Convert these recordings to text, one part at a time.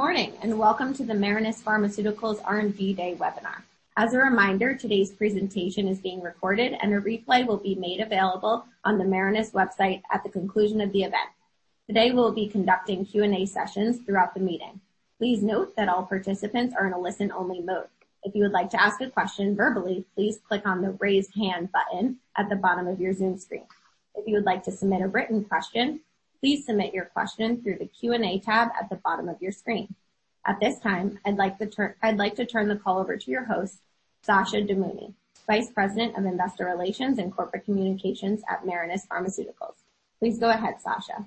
Good morning, welcome to the Marinus Pharmaceuticals R&D Day webinar. As a reminder, today's presentation is being recorded, a replay will be made available on the Marinus website at the conclusion of the event. Today, we'll be conducting Q&A sessions throughout the meeting. Please note that all participants are in a listen-only mode. If you would like to ask a question verbally, please click on the raise hand button at the bottom of your Zoom screen. If you would like to submit a written question, please submit your question through the Q&A tab at the bottom of your screen. At this time, I'd like to turn the call over to your host, Sasha Damouni, Vice President of Investor Relations and Corporate Communications at Marinus Pharmaceuticals. Please go ahead, Sasha.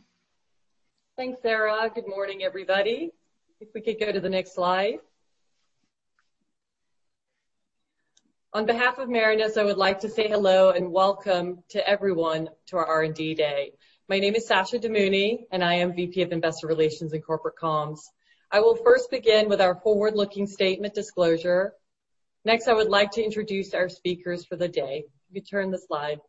Thanks, Sasha. Good morning, everybody. If we could go to the next slide. On behalf of Marinus, I would like to say hello and welcome to everyone to our R&D Day. My name is Sasha Damouni Ellis, and I am VP of Investor Relations and Corporate Comms. I will first begin with our forward-looking statement disclosure. Next, I would like to introduce our speakers for the day. If you turn the slide.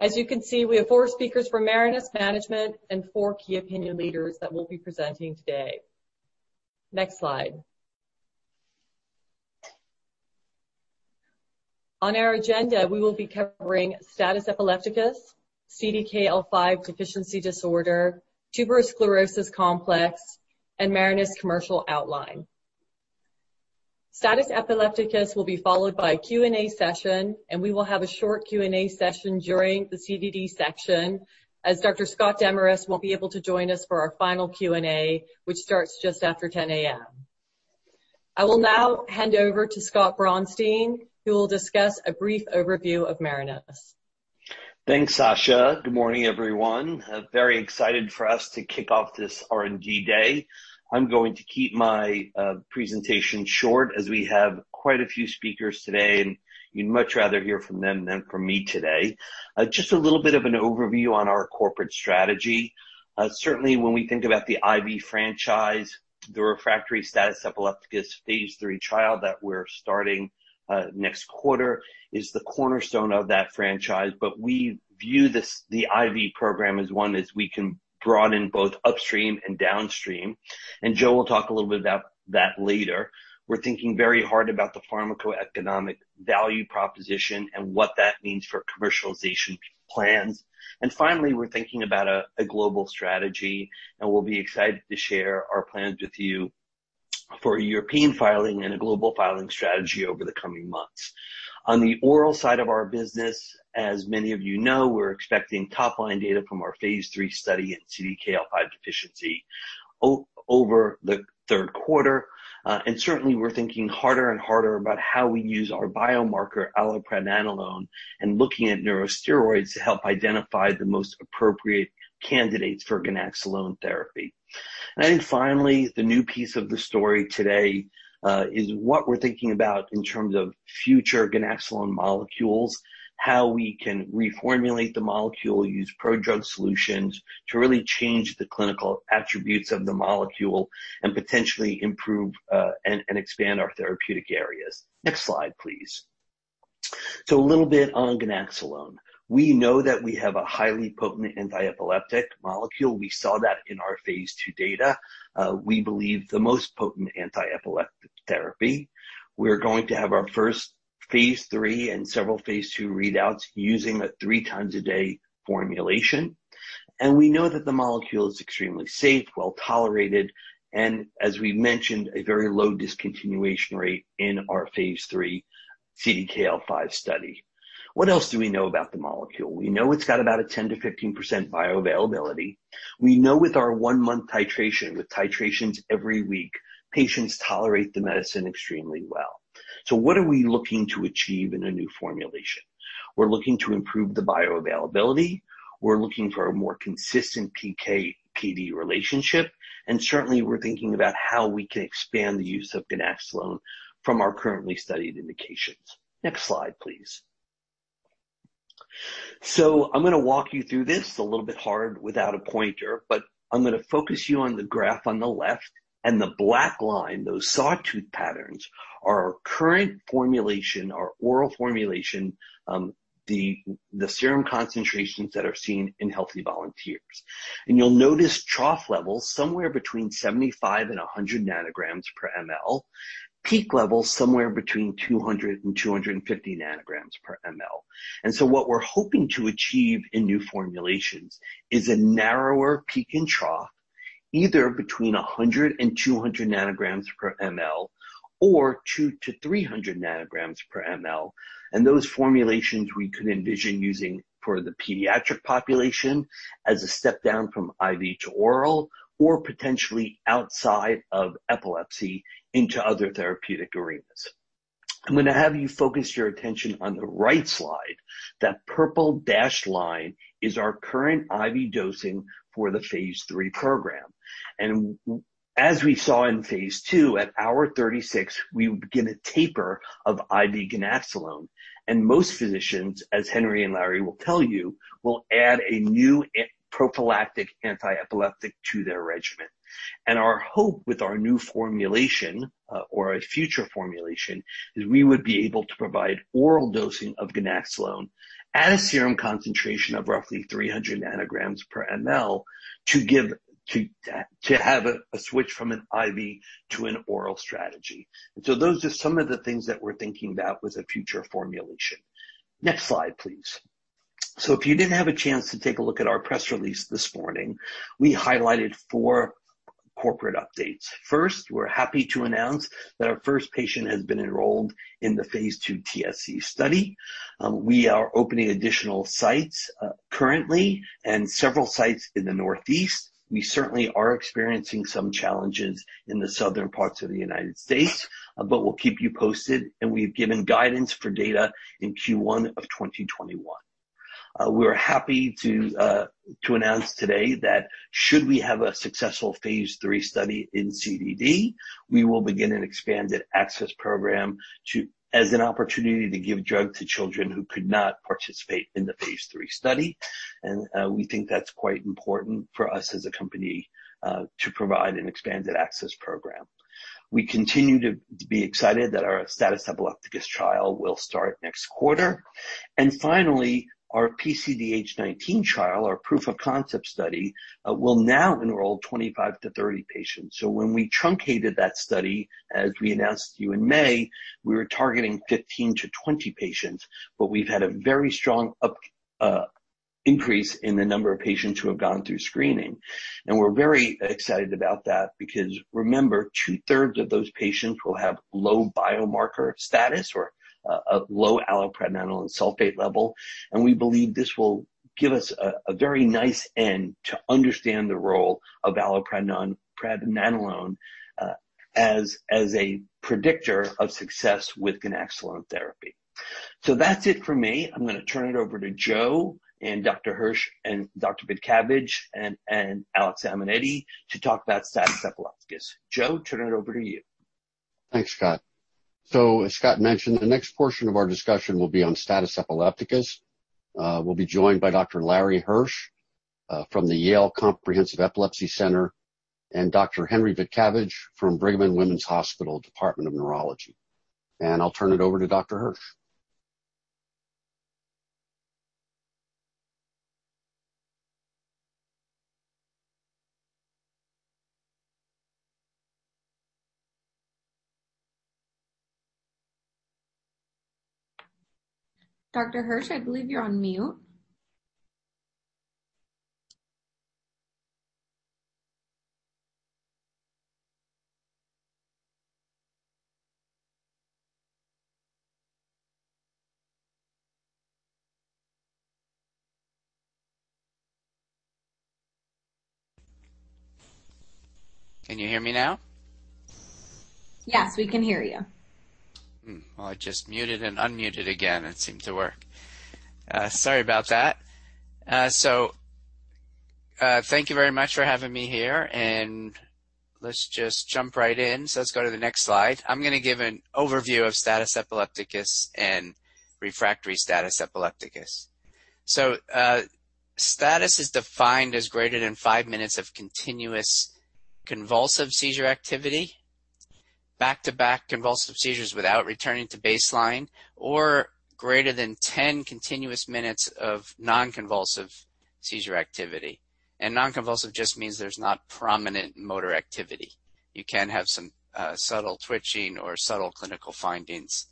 As you can see, we have four speakers from Marinus management and four key opinion leaders that will be presenting today. Next slide. On our agenda, we will be covering status epilepticus, CDKL5 Deficiency Disorder, tuberous sclerosis complex, and Marinus commercial outline. Status epilepticus will be followed by a Q&A session, and we will have a short Q&A session during the CDD section, as Dr. Scott Demarest won't be able to join us for our final Q&A, which starts just after 10:00 AM. I will now hand over to Scott Braunstein, who will discuss a brief overview of Marinus. Thanks, Sasha. Good morning, everyone. Very excited for us to kick off this R&D Day. I'm going to keep my presentation short as we have quite a few speakers today, and you'd much rather hear from them than from me today. Just a little bit of an overview on our corporate strategy. Certainly, when we think about the IV franchise, the refractory status epilepticus phase III trial that we're starting next quarter is the cornerstone of that franchise. We view the IV program as one as we can broaden both upstream and downstream, and Joe will talk a little bit about that later. We're thinking very hard about the pharmacoeconomic value proposition and what that means for commercialization plans. Finally, we're thinking about a global strategy, and we'll be excited to share our plans with you for a European filing and a global filing strategy over the coming months. On the oral side of our business, as many of you know, we're expecting top-line data from our phase III study in CDKL5 Deficiency over the third quarter. Certainly, we're thinking harder and harder about how we use our biomarker allopregnanolone and looking at neurosteroids to help identify the most appropriate candidates for ganaxolone therapy. Then finally, the new piece of the story today, is what we're thinking about in terms of future ganaxolone molecules, how we can reformulate the molecule, use prodrug solutions to really change the clinical attributes of the molecule, and potentially improve and expand our therapeutic areas. Next slide, please. A little on ganaxolone. We know that we have a highly potent antiepileptic molecule. We saw that in our phase II data. We believe the most potent antiepileptic therapy. We're going to have our first phase III and several phase II readouts using a three-times-a-day formulation. We know that the molecule is extremely safe, well-tolerated, and, as we mentioned, a very low discontinuation rate in our phase III CDKL5 study. What else do we know about the molecule? We know it's got about a 10%-15% bioavailability. We know with our one-month titration, with titrations every week, patients tolerate the medicine extremely well. What are we looking to achieve in a new formulation? We're looking to improve the bioavailability. We're looking for a more consistent PK/PD relationship, and certainly, we're thinking about how we can expand the use of ganaxolone from our currently studied indications. Next slide, please. I'm going to walk you through this. It's a little bit hard without a pointer. I'm going to focus you on the graph on the left and the black line. Those sawtooth patterns are our current formulation, our oral formulation, the serum concentrations that are seen in healthy volunteers. You'll notice trough levels somewhere between 75 and 100 nanograms per mL, peak levels somewhere between 200 and 250 nanograms per mL. What we're hoping to achieve in new formulations is a narrower peak and trough, either between 100 and 200 nanograms per mL or 200 to 300 nanograms per mL. Those formulations we could envision using for the pediatric population as a step-down from IV to oral, or potentially outside of epilepsy into other therapeutic arenas. I'm going to have you focus your attention on the right slide. That purple dashed line is our current IV dosing for the phase III program. As we saw in phase II, at hour 36, we would begin a taper of IV ganaxolone. Most physicians, as Henry and Larry will tell you, will add a new prophylactic anti-epileptic to their regimen. Our hope with our new formulation, or a future formulation, is we would be able to provide oral dosing of ganaxolone at a serum concentration of roughly 300 nanograms per mL to have a switch from an IV to an oral strategy. Those are some of the things that we're thinking about with a future formulation. Next slide, please. If you didn't have a chance to take a look at our press release this morning, we highlighted four corporate updates. First, we're happy to announce that our first patient has been enrolled in the phase II TSC study. We are opening additional sites currently and several sites in the Northeast. We certainly are experiencing some challenges in the southern parts of the U.S., but we'll keep you posted, and we've given guidance for data in Q1 2021. We're happy to announce today that should we have a successful phase III study in CDD, we will begin an expanded access program as an opportunity to give drug to children who could not participate in the phase III study. We think that's quite important for us as a company to provide an expanded access program. We continue to be excited that our status epilepticus trial will start next quarter. Finally, our PCDH19 trial, our proof of concept study, will now enroll 25 to 30 patients. When we truncated that study, as we announced to you in May, we were targeting 15-20 patients, but we've had a very strong increase in the number of patients who have gone through screening. We're very excited about that because remember, two-thirds of those patients will have low biomarker status or a low allopregnanolone sulfate level. We believe this will give us a very nice N to understand the role of allopregnanolone as a predictor of success with ganaxolone therapy. That's it for me. I'm going to turn it over to Joe and Dr. Hirsch and Dr. Vitcavage and Alex Aimetti to talk about status epilepticus. Joe, turn it over to you. Thanks, Scott. As Scott mentioned, the next portion of our discussion will be on status epilepticus. We'll be joined by Dr. Larry Hirsch, from the Yale Comprehensive Epilepsy Center, and Dr. Henry Vitcavage from Brigham and Women's Hospital, Department of Neurology. I'll turn it over to Dr. Hirsch. Dr. Hirsch, I believe you're on mute. Can you hear me now? Yes, we can hear you. Well, I just muted and unmuted again. It seemed to work. Sorry about that. Thank you very much for having me here, and let's just jump right in. Let's go to the next slide. I'm going to give an overview of status epilepticus and refractory status epilepticus. Status is defined as greater than five minutes of continuous convulsive seizure activity, back-to-back convulsive seizures without returning to baseline, or greater than 10 continuous minutes of non-convulsive seizure activity. Non-convulsive just means there's not prominent motor activity. You can have some subtle twitching or subtle clinical findings,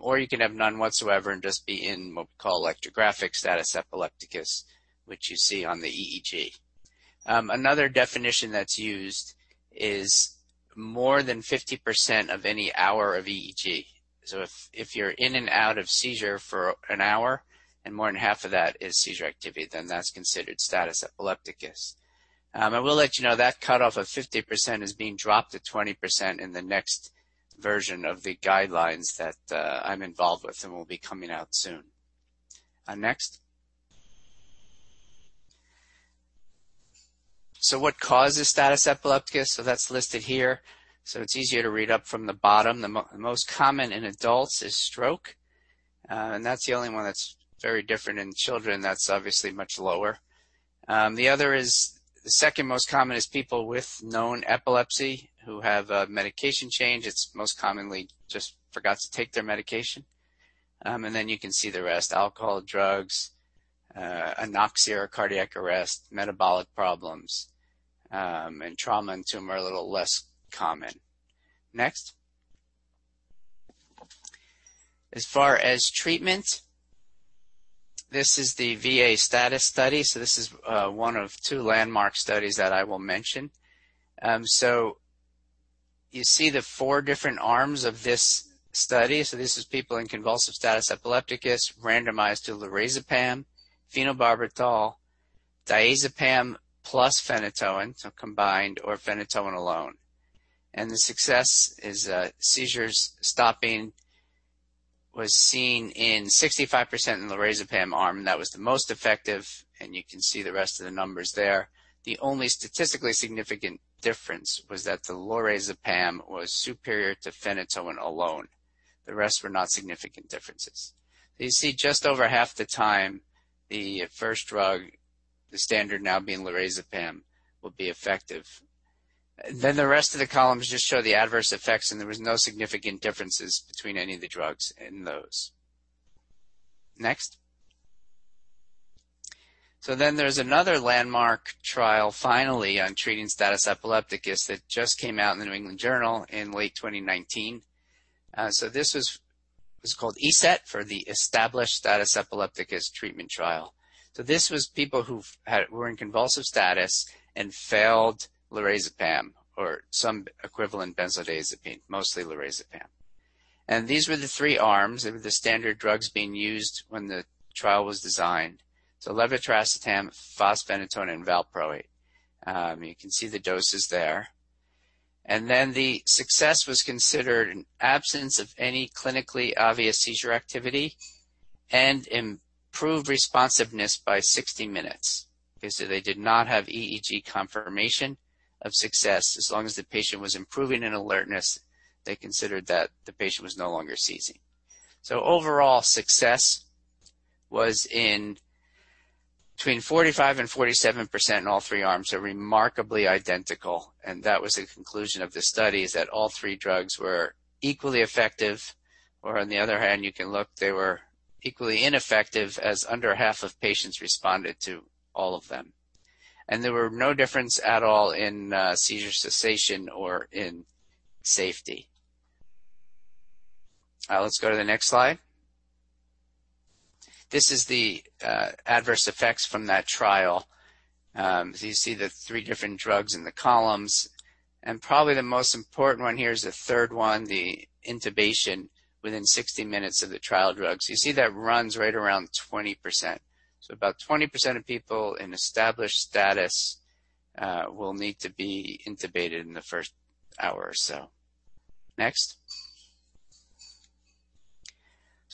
or you can have none whatsoever and just be in what we call electrographic status epilepticus, which you see on the EEG. Another definition that's used is more than 50% of any hour of EEG. If you're in and out of seizure for an hour and more than half of that is seizure activity, then that's considered status epilepticus. I will let you know that cutoff of 50% is being dropped to 20% in the next version of the guidelines that I'm involved with and will be coming out soon. Next. What causes status epilepticus? That's listed here. It's easier to read up from the bottom. The most common in adults is stroke, and that's the only one that's very different in children. That's obviously much lower. The second most common is people with known epilepsy who have a medication change. It's most commonly just forgot to take their medication. You can see the rest, alcohol, drugs, anoxia or cardiac arrest, metabolic problems, and trauma and tumor are a little less common. Next. As far as treatment, this is the VA Status study. This is one of two landmark studies that I will mention. You see the four different arms of this study. This is people in convulsive status epilepticus randomized to lorazepam, phenobarbital, diazepam plus phenytoin, so combined, or phenytoin alone. The success is seizures stopping was seen in 65% in the lorazepam arm. That was the most effective, and you can see the rest of the numbers there. The only statistically significant difference was that the lorazepam was superior to phenytoin alone. The rest were not significant differences. You see just over half the time, the first drug, the standard now being lorazepam, will be effective. The rest of the columns just show the adverse effects, and there was no significant differences between any of the drugs in those. Next. There's another landmark trial, finally, on treating status epilepticus that just came out in the New England Journal in late 2019. This was called ESETT for the Established Status Epilepticus Treatment Trial. This was people who were in convulsive status and failed lorazepam or some equivalent benzodiazepine, mostly lorazepam. These were the three arms. They were the standard drugs being used when the trial was designed. levetiracetam, fosphenytoin, and valproate. You can see the doses there. The success was considered in absence of any clinically obvious seizure activity and improved responsiveness by 60 minutes. Okay, they did not have EEG confirmation of success. As long as the patient was improving in alertness, they considered that the patient was no longer seizing. Overall success was in between 45% and 47% in all three arms, remarkably identical. That was the conclusion of the study, is that all three drugs were equally effective. On the other hand, you can look, they were equally ineffective, as under half of patients responded to all of them. There were no difference at all in seizure cessation or in safety. Let's go to the next slide. This is the adverse effects from that trial. You see the three different drugs in the columns, and probably the most important one here is the third one, the intubation within 60 minutes of the trial drugs. You see that runs right around 20%. About 20% of people in established status will need to be intubated in the first hour or so. Next.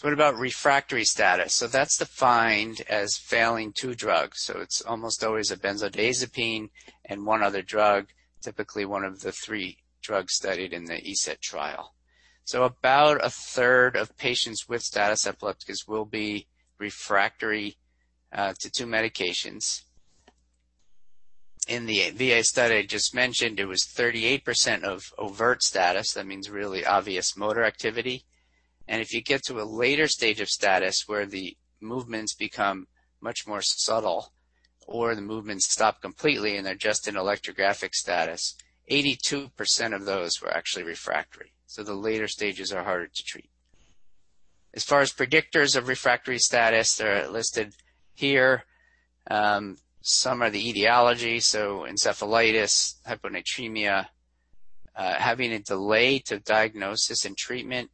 What about refractory status? That's defined as failing two drugs. It's almost always a benzodiazepine and one other drug, typically one of the three drugs studied in the ESETT trial. About a third of patients with status epilepticus will be refractory to two medications. In the VA study I just mentioned, it was 38% of overt status. That means really obvious motor activity. If you get to a later stage of status where the movements become much more subtle or the movements stop completely and they're just in electrographic status, 82% of those were actually refractory. The later stages are harder to treat. As far as predictors of refractory status, they're listed here. Some are the etiology, so encephalitis, hyponatremia, having a delay to diagnosis and treatment,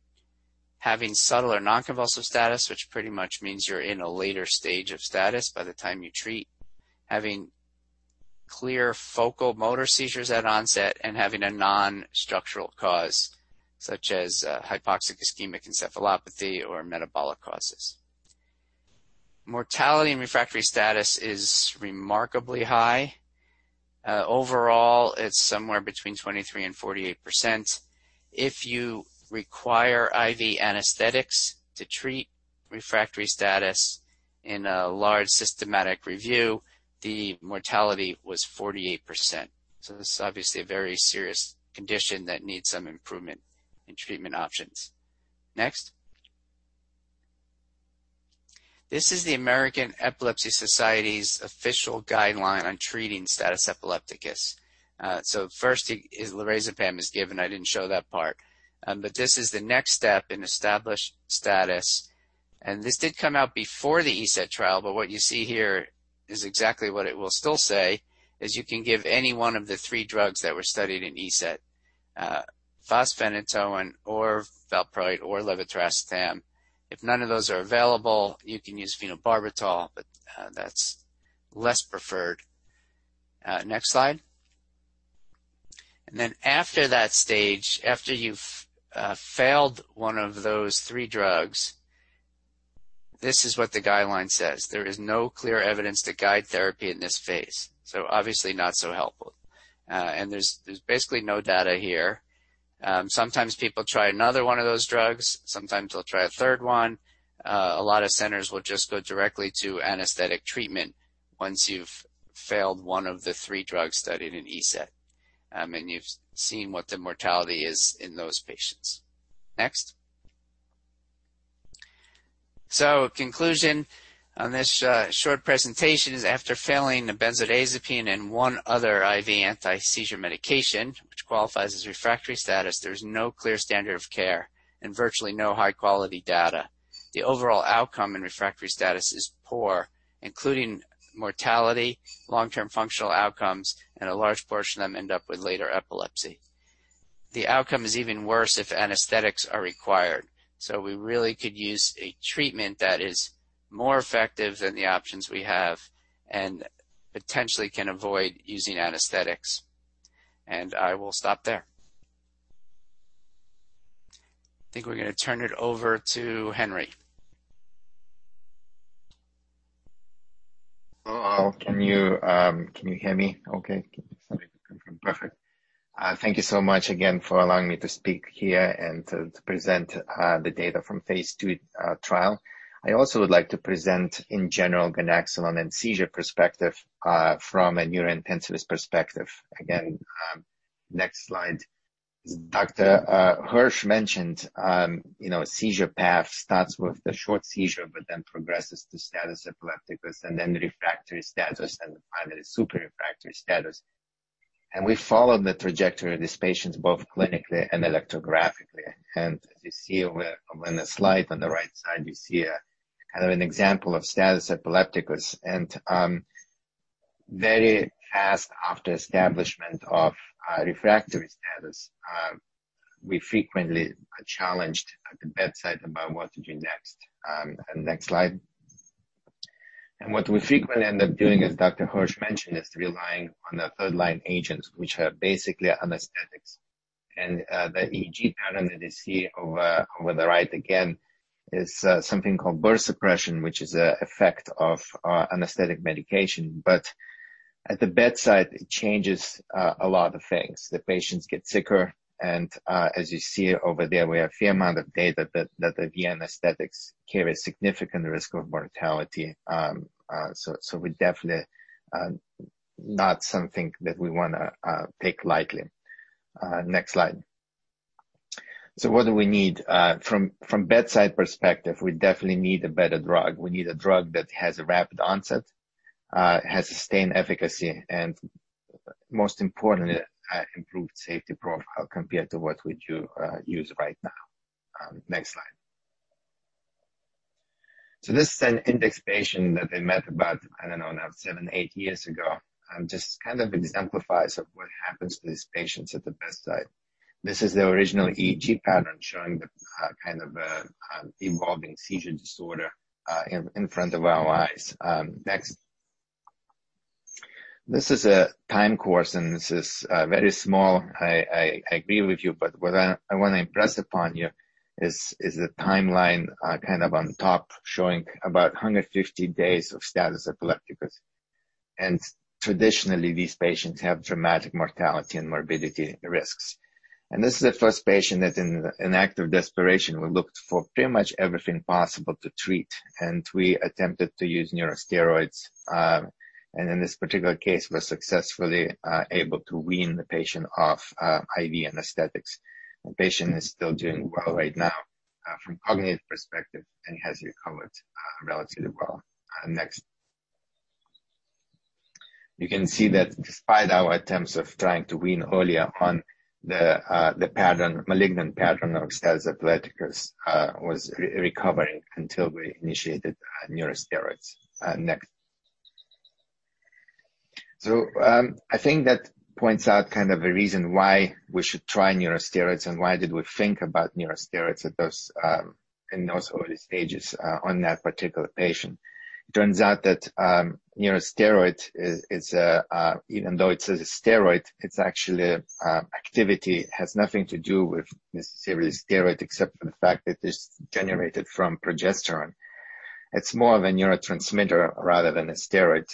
having subtle or non-convulsive status, which pretty much means you're in a later stage of status by the time you treat. Having clear focal motor seizures at onset, and having a non-structural cause such as hypoxic-ischemic encephalopathy or metabolic causes. Mortality in refractory status is remarkably high. Overall, it's somewhere between 23% and 48%. If you require IV anesthetics to treat refractory status in a large systematic review, the mortality was 48%. This is obviously a very serious condition that needs some improvement in treatment options. Next. This is the American Epilepsy Society's official guideline on treating status epilepticus. First, lorazepam is given. I didn't show that part. This is the next step in established status. This did come out before the ESETT trial, but what you see here is exactly what it will still say, is you can give any one of the three drugs that were studied in ESETT, fosphenytoin or valproate or levetiracetam. If none of those are available, you can use phenobarbital, but that's less preferred. Next slide. After that stage, after you've failed one of those three drugs, this is what the guideline says. "There is no clear evidence to guide therapy in this phase." Obviously, not so helpful. There's basically no data here. Sometimes people try another one of those drugs. Sometimes they'll try a third one. A lot of centers will just go directly to anesthetic treatment once you've failed one of the three drugs studied in ESETT, and you've seen what the mortality is in those patients. Next. Conclusion on this short presentation is after failing a benzodiazepine and one other IV anti-seizure medication, which qualifies as refractory status, there's no clear standard of care and virtually no high-quality data. The overall outcome in refractory status is poor, including mortality, long-term functional outcomes, and a large portion of them end up with later epilepsy. The outcome is even worse if anesthetics are required. We really could use a treatment that is more effective than the options we have and potentially can avoid using anesthetics. I will stop there. I think we're going to turn it over to Henry. Hello. Can you hear me okay? Perfect. Thank you so much again for allowing me to speak here and to present the data from phase II trial. I also would like to present in general ganaxolone in seizure perspective from a neurointensivist perspective. Next slide. As Dr. Hirsch mentioned, a seizure path starts with a short seizure, but then progresses to status epilepticus, and then refractory status, and finally super refractory status. We followed the trajectory of these patients both clinically and electrographically. As you see on the slide on the right side, you see a kind of an example of status epilepticus. Very fast after establishment of refractory status, we frequently are challenged at the bedside about what to do next. Next slide. What we frequently end up doing, as Dr. Hirsch mentioned, is relying on the third line agents, which are basically anesthetics. The EEG pattern that you see over on the right again is something called burst suppression, which is an effect of anesthetic medication. At the bedside, it changes a lot of things. The patients get sicker, as you see over there, we have a fair amount of data that the IV anesthetics carry a significant risk of mortality. Definitely not something that we want to take lightly. Next slide. What do we need? From bedside perspective, we definitely need a better drug. We need a drug that has a rapid onset, has sustained efficacy, and most importantly, improved safety profile compared to what we do use right now. Next slide. This is an index patient that I met about, I don't know, now seven, eight years ago. Just kind of exemplifies of what happens to these patients at the bedside. This is the original EEG pattern showing the kind of evolving seizure disorder in front of our eyes. Next. This is a time course, this is very small. I agree with you, what I want to impress upon you is the timeline kind of on top showing about 150 days of status epilepticus. Traditionally, these patients have dramatic mortality and morbidity risks. This is the first patient that in an act of desperation, we looked for pretty much everything possible to treat, and we attempted to use neurosteroids. In this particular case, was successfully able to wean the patient off IV anesthetics. The patient is still doing well right now from cognitive perspective, and he has recovered relatively well. Next. You can see that despite our attempts of trying to wean earlier on, the malignant pattern of status epilepticus was recovering until we initiated neurosteroids. Next. I think that points out kind of a reason why we should try neurosteroids and why did we think about neurosteroids in those early stages on that particular patient. It turns out that neurosteroid, even though it says steroid, its actual activity has nothing to do with necessarily a steroid except for the fact that it is generated from progesterone. It's more of a neurotransmitter rather than a steroid.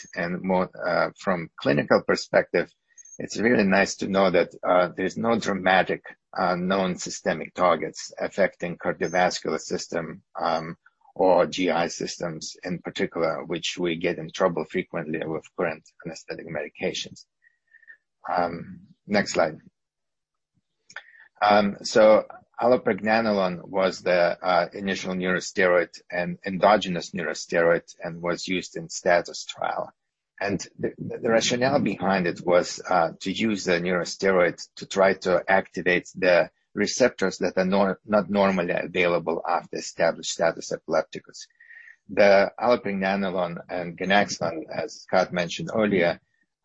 From clinical perspective, it's really nice to know that there's no dramatic known systemic targets affecting cardiovascular system, or GI systems in particular, which we get in trouble frequently with current anesthetic medications. Next slide. allopregnanolone was the initial neurosteroid and endogenous neurosteroid and was used in STATUS trial. The rationale behind it was to use the neurosteroids to try to activate the receptors that are not normally available after established status epilepticus. The allopregnanolone and ganaxolone, as Scott mentioned earlier,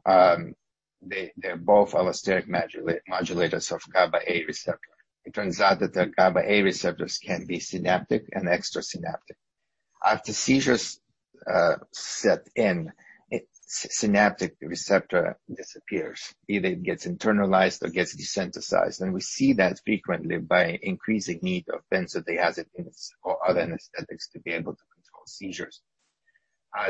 they're both allosteric modulators of GABAa receptor. It turns out that the GABAa receptors can be synaptic and extrasynaptic. After seizures set in, synaptic receptor disappears, either it gets internalized or gets desensitized. We see that frequently by increasing need of benzodiazepines or other anesthetics to be able to control seizures.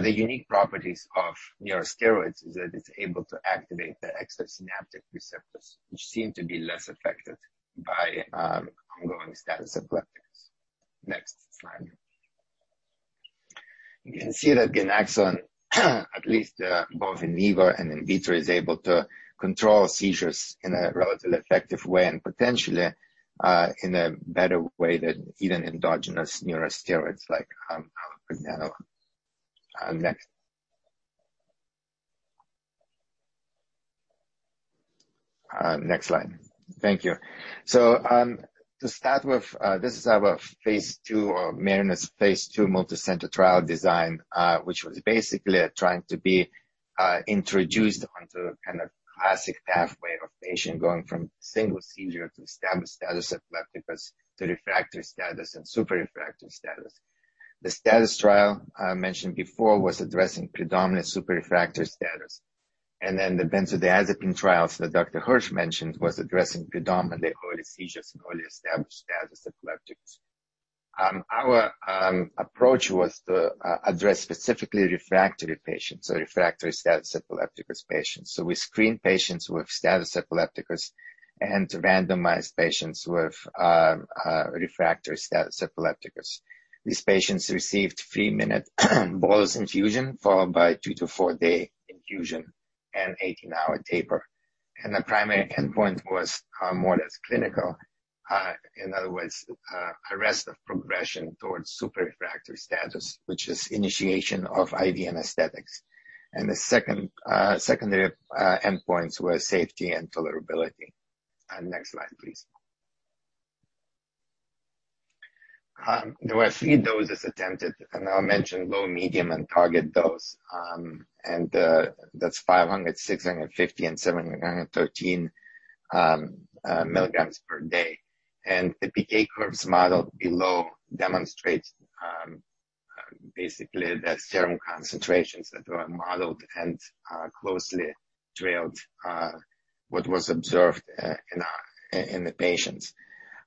The unique properties of neurosteroids is that it's able to activate the extrasynaptic receptors, which seem to be less affected by ongoing status epilepticus. Next slide. You can see that ganaxolone at least both in vivo and in vitro, is able to control seizures in a relatively effective way and potentially, in a better way than even endogenous neurosteroids like allopregnanolone. Next. Next slide. Thank you. To start with, this is our phase II, or Marinus phase II multicenter trial design, which was basically trying to be introduced onto a kind of classic pathway of patient going from single seizure to established status epilepticus, to refractory status and super-refractory status. The STATUS trial I mentioned before was addressing predominant super-refractory status. The benzodiazepine trials that Dr. Hirsch mentioned was addressing predominantly early seizures and early established status epilepticus. Our approach was to address specifically refractory patients, so refractory status epilepticus patients. We screen patients with status epilepticus and randomize patients with refractory status epilepticus. These patients received 3-minute bolus infusion, followed by 2 to 4-day infusion and 18-hour taper. The primary endpoint was more or less clinical. In other words, arrest of progression towards super-refractory status, which is initiation of IV anesthetics. The secondary endpoints were safety and tolerability. Next slide, please. There were 3 doses attempted. I'll mention low, medium, and target dose. That's 500, 650, and 713 mg per day. The PK curves model below demonstrates basically the serum concentrations that were modeled and closely trailed what was observed in the patients.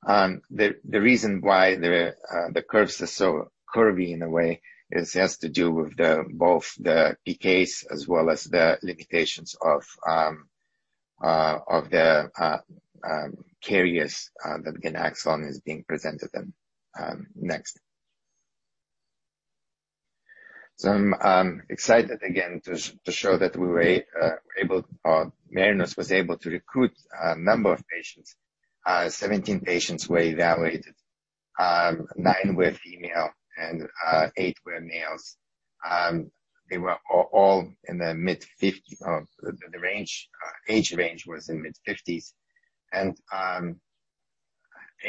The reason why the curves are so curvy in a way, this has to do with both the PK as well as the limitations of the carriers that ganaxolone is being presented in. Next. I'm excited again to show that Marinus was able to recruit a number of patients. 17 patients were evaluated. 9 were female and 8 were males. The age range was in mid-50s.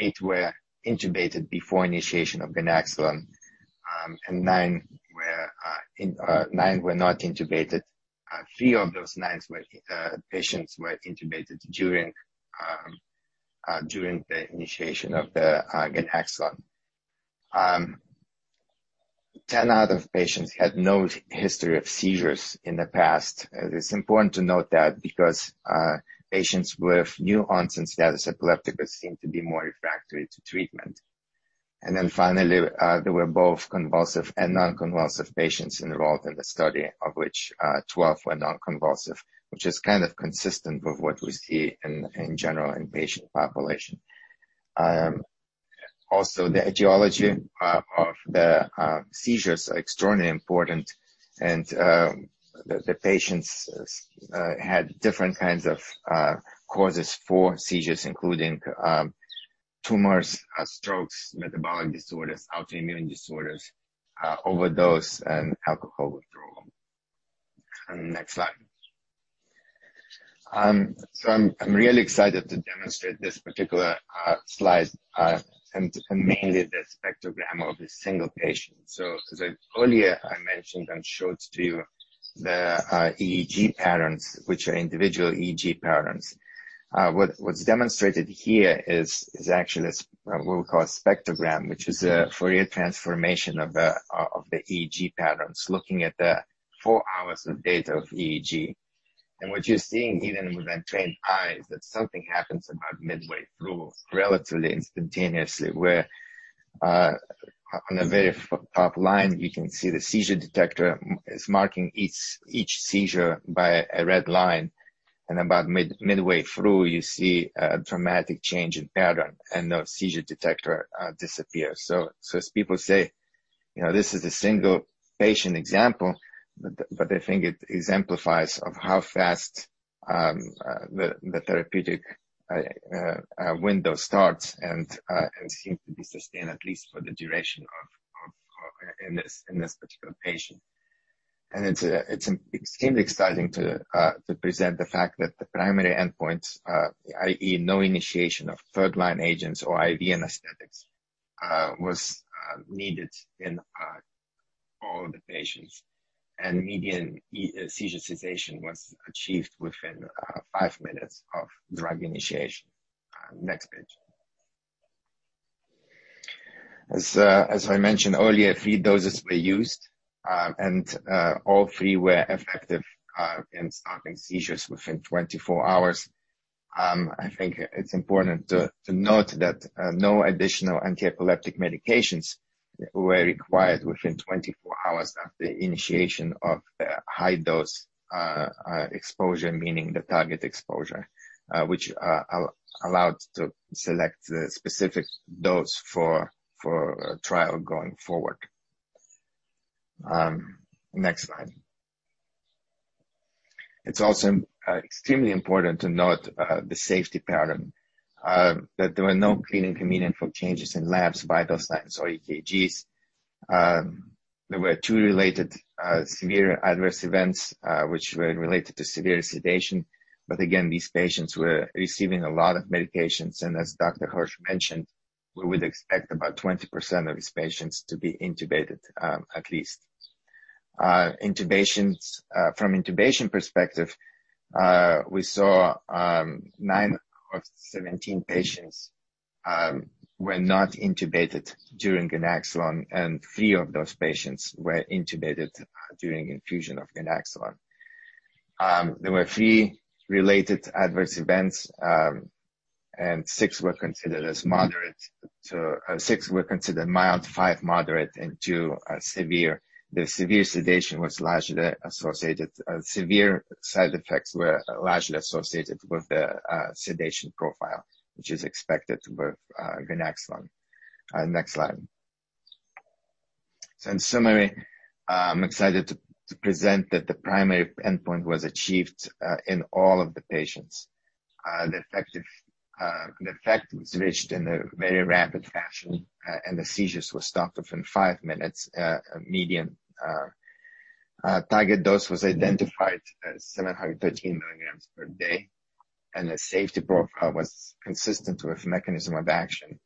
8 were intubated before initiation of ganaxolone, and 9 were not intubated. Three of those nine patients were intubated during the initiation of the ganaxolone. 10 out of patients had no history of seizures in the past. It's important to note that, because patients with new onset status epilepticus seem to be more refractory to treatment. Finally, there were both convulsive and non-convulsive patients involved in the study, of which 12 were non-convulsive, which is kind of consistent with what we see in general in patient population. The etiology of the seizures are extraordinarily important, the patients had different kinds of causes for seizures, including tumors, strokes, metabolic disorders, autoimmune disorders, overdose, and alcohol withdrawal. Next slide. I'm really excited to demonstrate this particular slide, and mainly the spectrogram of a single patient. As earlier I mentioned and showed to you the EEG patterns, which are individual EEG patterns. What's demonstrated here is actually what we call a spectrogram, which is a Fourier transformation of the EEG patterns, looking at the four hours of data of EEG. What you're seeing, even with untrained eyes, that something happens about midway through relatively instantaneously, where on the very top line, you can see the seizure detector is marking each seizure by a red line. About midway through, you see a dramatic change in pattern, and the seizure detector disappears. As people say, this is a single patient example, but I think it exemplifies of how fast the therapeutic window starts and seem to be sustained, at least for the duration in this particular patient. It's extremely exciting to present the fact that the primary endpoint, i.e., no initiation of third-line agents or IV anesthetics, was needed in all the patients. Median seizure cessation was achieved within five minutes of drug initiation. Next page. As I mentioned earlier, three doses were used, and all three were effective in stopping seizures within 24 hours. I think it's important to note that no additional antiepileptic medications were required within 24 hours after initiation of the high dose exposure, meaning the target exposure, which allowed to select the specific dose for trial going forward. Next slide. It's also extremely important to note the safety pattern, that there were no clinically meaningful changes in labs, vital signs, or EKGs. There were two related severe adverse events, which were related to severe sedation. Again, these patients were receiving a lot of medications, and as Dr. Hirsch mentioned, we would expect about 20% of these patients to be intubated, at least. From intubation perspective, we saw nine out of 17 patients were not intubated during ganaxolone, and three of those patients were intubated during infusion of ganaxolone. There were three related adverse events. Six were considered mild, five moderate, and two severe. The severe sedation was largely associated. Severe side effects were largely associated with the sedation profile, which is expected with ganaxolone. Next slide. In summary, I'm excited to present that the primary endpoint was achieved in all of the patients. The effect was reached in a very rapid fashion. The seizures were stopped within five minutes, median. Target dose was identified as 713 milligrams per day. The safety profile was consistent with mechanism of action.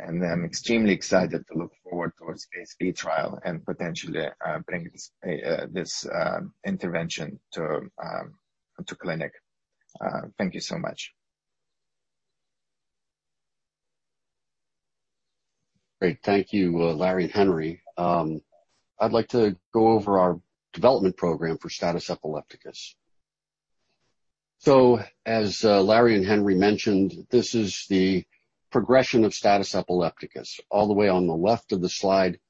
I'm extremely excited to look forward towards a phase II trial and potentially bring this intervention to clinic. Thank you so much. Great. Thank you, Larry and Henry. I'd like to go over our development program for status epilepticus. As Larry and Henry mentioned, this is the progression of status epilepticus. All the way on the left of the slide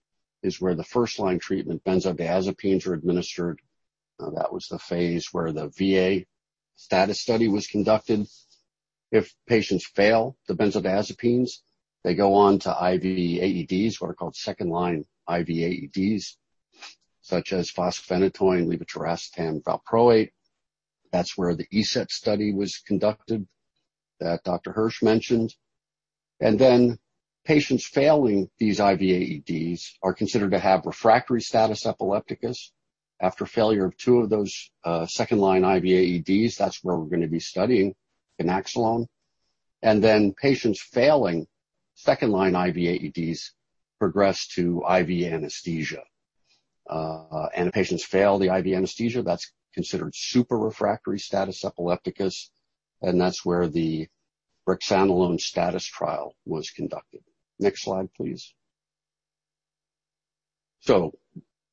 is where the first-line treatment, benzodiazepines, are administered. That was the phase where the VA Status study was conducted. If patients fail the benzodiazepines, they go on to IV AEDs, what are called second-line IV AEDs, such as fosphenytoin, levetiracetam, valproate. That's where the ESETT was conducted that Dr. Hirsch mentioned. Patients failing these IV AEDs are considered to have refractory status epilepticus after failure of two of those second-line IV AEDs. That's where we're going to be studying ganaxolone. Patients failing second-line IV AEDs progress to IV anesthesia. If patients fail the IV anesthesia, that's considered super-refractory status epilepticus, and that's where the brexanolone STATUS trial was conducted. Next slide, please.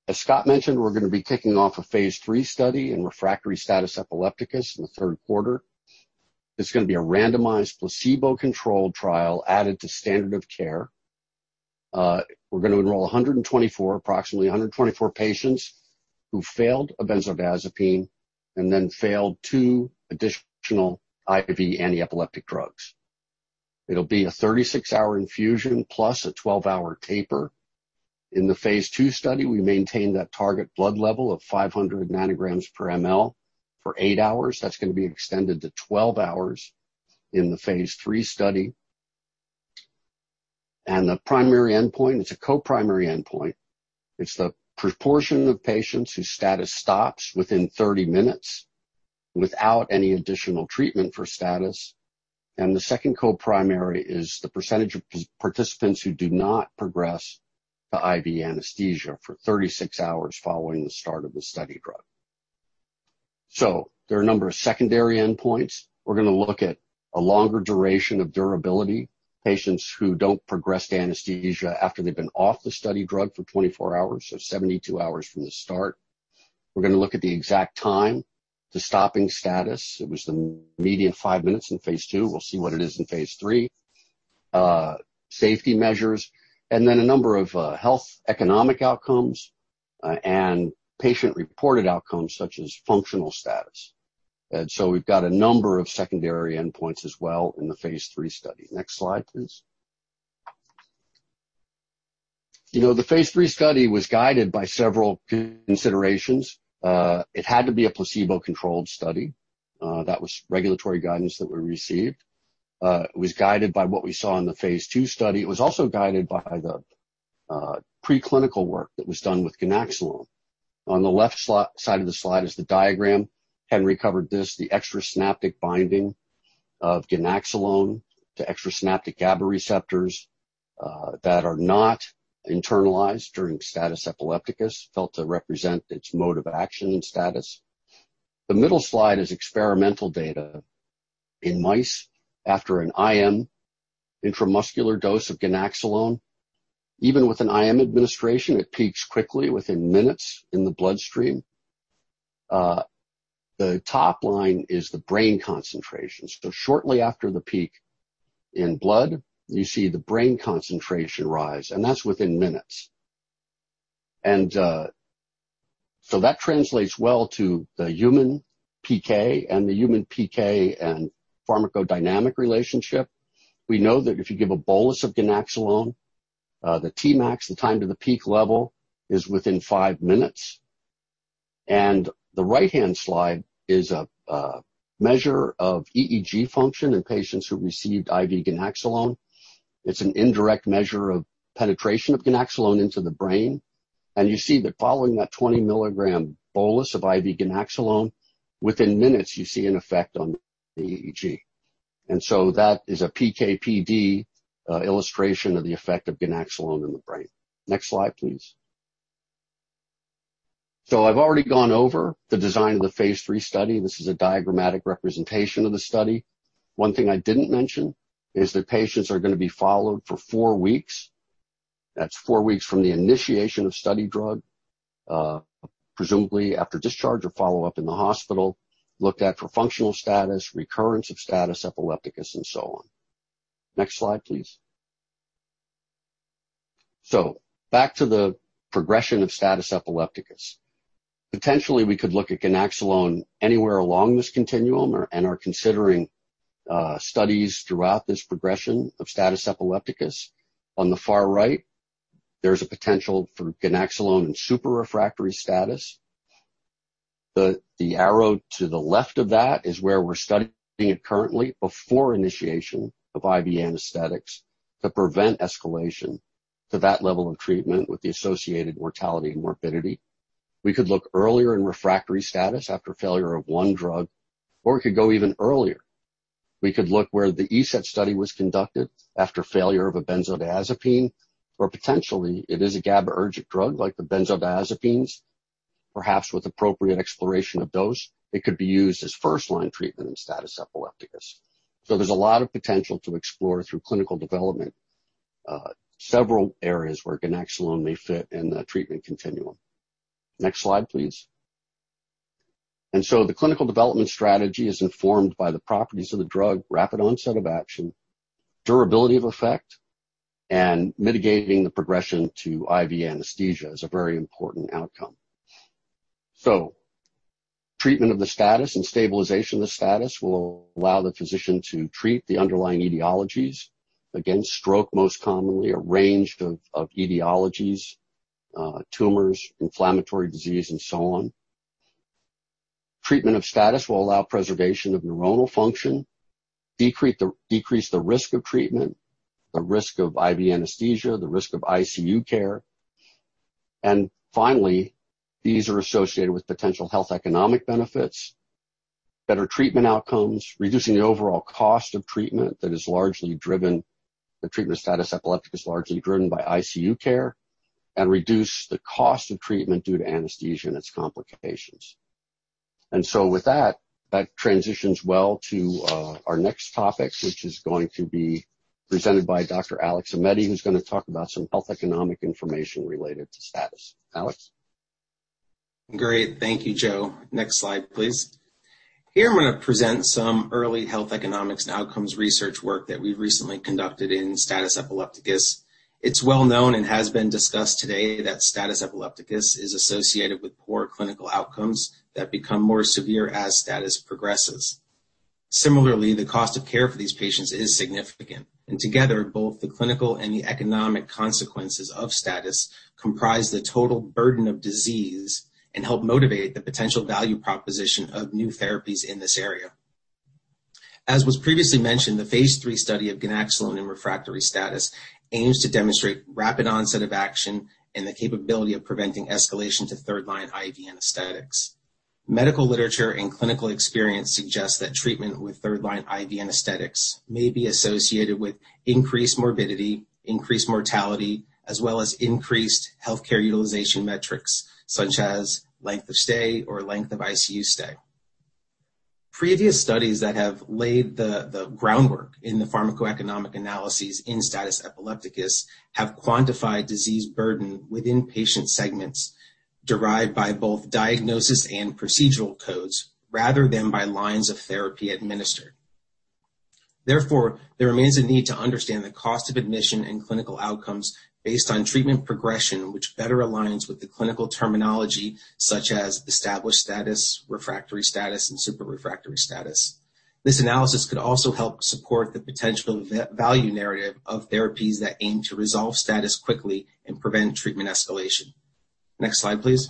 As Scott mentioned, we're going to be kicking off a phase III study in refractory status epilepticus in the third quarter. It's going to be a randomized placebo-controlled trial added to standard of care. We're going to enroll 124, approximately 124 patients who failed a benzodiazepine and then failed two additional IV antiepileptic drugs. It'll be a 36-hour infusion plus a 12-hour taper. In the phase II study, we maintain that target blood level of 500 nanograms per mL for 8 hours. That's going to be extended to 12 hours in the phase III study. The primary endpoint is a co-primary endpoint. It's the proportion of patients whose status stops within 30 minutes without any additional treatment for status. The second co-primary is the percentage of participants who do not progress to IV anesthesia for 36 hours following the start of the study drug. There are a number of secondary endpoints. We're going to look at a longer duration of durability. Patients who don't progress to anesthesia after they've been off the study drug for 24 hours, so 72 hours from the start. We're going to look at the exact time to stopping status. It was the median five minutes in phase II. We'll see what it is in phase III. Safety measures, and then a number of health economic outcomes, and patient-reported outcomes such as functional status. We've got a number of secondary endpoints as well in the phase III study. Next slide, please. The phase III study was guided by several considerations. It had to be a placebo-controlled study. That was regulatory guidance that we received. It was guided by what we saw in the phase II study. It was also guided by the preclinical work that was done with ganaxolone. On the left side of the slide is the diagram. Henry covered this, the extrasynaptic binding of ganaxolone to extrasynaptic GABA receptors that are not internalized during status epilepticus, felt to represent its mode of action in status epilepticus. The middle slide is experimental data in mice after an IM, intramuscular dose of ganaxolone. Even with an IM administration, it peaks quickly within minutes in the bloodstream. The top line is the brain concentration. Shortly after the peak in blood, you see the brain concentration rise, that's within minutes. That translates well to the human PK and the human PK and pharmacodynamic relationship. We know that if you give a bolus of ganaxolone, the Tmax, the time to the peak level, is within five minutes. The right-hand slide is a measure of EEG function in patients who received IV ganaxolone. It's an indirect measure of penetration of ganaxolone into the brain. You see that following that 20 milligram bolus of IV ganaxolone, within minutes, you see an effect on the EEG. That is a PK/PD illustration of the effect of ganaxolone in the brain. Next slide, please. I've already gone over the design of the phase III study. This is a diagrammatic representation of the study. One thing I didn't mention is that patients are going to be followed for four weeks. That's four weeks from the initiation of study drug, presumably after discharge or follow-up in the hospital, looked at for functional status, recurrence of status epilepticus, and so on. Next slide, please. Back to the progression of status epilepticus. Potentially, we could look at ganaxolone anywhere along this continuum and are considering studies throughout this progression of status epilepticus. On the far right, there's a potential for ganaxolone in super-refractory status. The arrow to the left of that is where we're studying it currently before initiation of IV anesthetics to prevent escalation to that level of treatment with the associated mortality and morbidity. We could look earlier in refractory status after failure of one drug, or we could go even earlier. We could look where the ESETT study was conducted after failure of a benzodiazepine, or potentially it is a GABAergic drug like the benzodiazepines. Perhaps with appropriate exploration of those, it could be used as first-line treatment in status epilepticus. There's a lot of potential to explore through clinical development, several areas where ganaxolone may fit in the treatment continuum. Next slide, please. The clinical development strategy is informed by the properties of the drug, rapid onset of action, durability of effect, and mitigating the progression to IV anesthesia is a very important outcome. Treatment of the status and stabilization of status will allow the physician to treat the underlying etiologies. Again, stroke, most commonly, a range of etiologies, tumors, inflammatory disease, and so on. Treatment of status will allow preservation of neuronal function, decrease the risk of treatment, the risk of IV anesthesia, the risk of ICU care. Finally, these are associated with potential health economic benefits, better treatment outcomes, reducing the overall cost of treatment, the treatment of status epilepticus, largely driven by ICU care, and reduce the cost of treatment due to anesthesia and its complications. With that transitions well to our next topic, which is going to be presented by Dr. Alex Aimetti, who's going to talk about some health economic information related to status. Alex. Great. Thank you, Joe. Next slide, please. Here, I'm going to present some early health economics and outcomes research work that we've recently conducted in status epilepticus. It's well known and has been discussed today that status epilepticus is associated with poor clinical outcomes that become more severe as status progresses. Similarly, the cost of care for these patients is significant, and together, both the clinical and the economic consequences of status comprise the total burden of disease and help motivate the potential value proposition of new therapies in this area. As was previously mentioned, the phase III study of ganaxolone in refractory status aims to demonstrate rapid onset of action and the capability of preventing escalation to third-line IV anesthetics. Medical literature and clinical experience suggests that treatment with third-line IV anesthetics may be associated with increased morbidity, increased mortality, as well as increased healthcare utilization metrics, such as length of stay or length of ICU stay. Previous studies that have laid the groundwork in the pharmacoeconomic analyses in status epilepticus have quantified disease burden within patient segments derived by both diagnosis and procedural codes, rather than by lines of therapy administered. There remains a need to understand the cost of admission and clinical outcomes based on treatment progression, which better aligns with the clinical terminology such as established status, refractory status, and super-refractory status. This analysis could also help support the potential value narrative of therapies that aim to resolve status quickly and prevent treatment escalation. Next slide, please.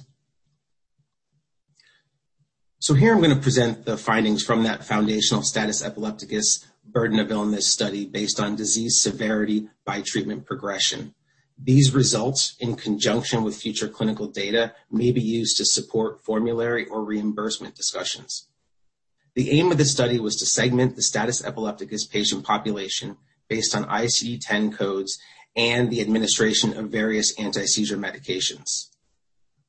Here I'm going to present the findings from that foundational status epilepticus burden of illness study based on disease severity by treatment progression. These results, in conjunction with future clinical data, may be used to support formulary or reimbursement discussions. The aim of the study was to segment the status epilepticus patient population based on ICD-10 codes and the administration of various anti-seizure medications.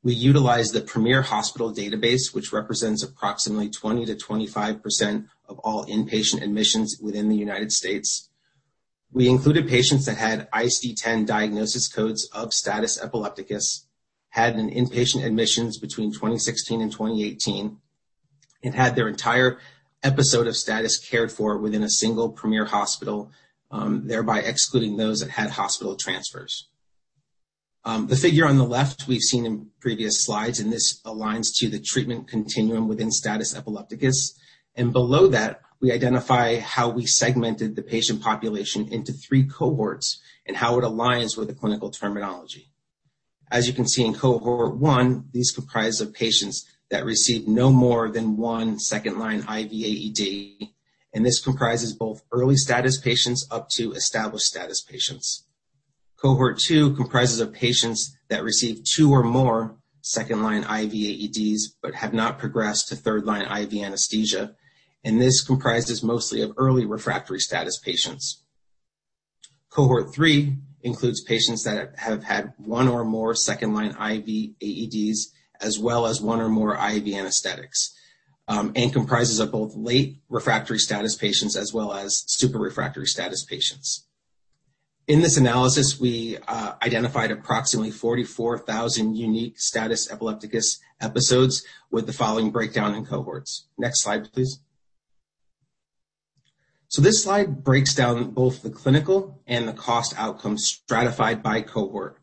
We utilized the Premier Healthcare Database, which represents approximately 20%-25% of all inpatient admissions within the U.S. We included patients that had ICD-10 diagnosis codes of status epilepticus, had an inpatient admissions between 2016 and 2018, and had their entire episode of status cared for within a single Premier hospital, thereby excluding those that had hospital transfers. The figure on the left we've seen in previous slides, this aligns to the treatment continuum within status epilepticus. Below that, we identify how we segmented the patient population into 3 cohorts and how it aligns with the clinical terminology. As you can see in cohort 1, these comprise of patients that received no more than 1 second-line IV AED, and this comprises both early status patients up to established status patients. Cohort 2 comprises of patients that received 2 or more second-line IV AEDs but have not progressed to third-line IV anesthesia, and this comprises mostly of early refractory status patients. Cohort 3 includes patients that have had 1 or more second-line IV AEDs, as well as 1 or more IV anesthetics, and comprises of both late refractory status patients as well as super-refractory status patients. In this analysis, we identified approximately 44,000 unique status epilepticus episodes with the following breakdown in cohorts. Next slide, please. This slide breaks down both the clinical and the cost outcomes stratified by cohort.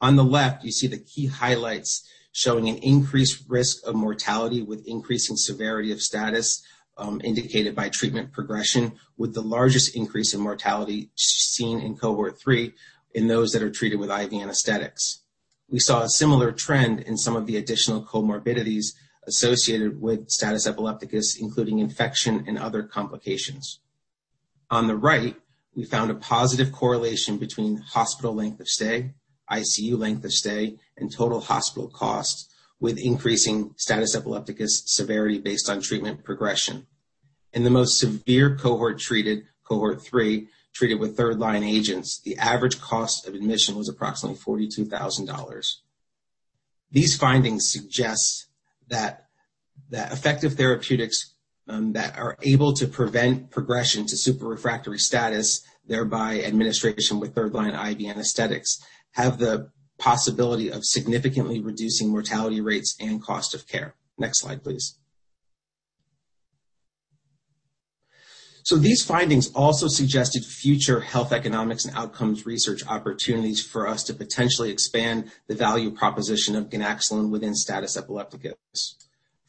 On the left, you see the key highlights showing an increased risk of mortality with increasing severity of status epilepticus indicated by treatment progression, with the largest increase in mortality seen in cohort 3 in those that are treated with IV anesthetics. We saw a similar trend in some of the additional comorbidities associated with status epilepticus, including infection and other complications. On the right, we found a positive correlation between hospital length of stay, ICU length of stay, and total hospital costs with increasing status epilepticus severity based on treatment progression. In the most severe cohort treated, cohort 3, treated with third-line agents, the average cost of admission was approximately $42,000. These findings suggest that effective therapeutics that are able to prevent progression to super refractory status, thereby administration with third-line IV anesthetics, have the possibility of significantly reducing mortality rates and cost of care. Next slide, please. These findings also suggested future health economics and outcomes research opportunities for us to potentially expand the value proposition of ganaxolone within status epilepticus.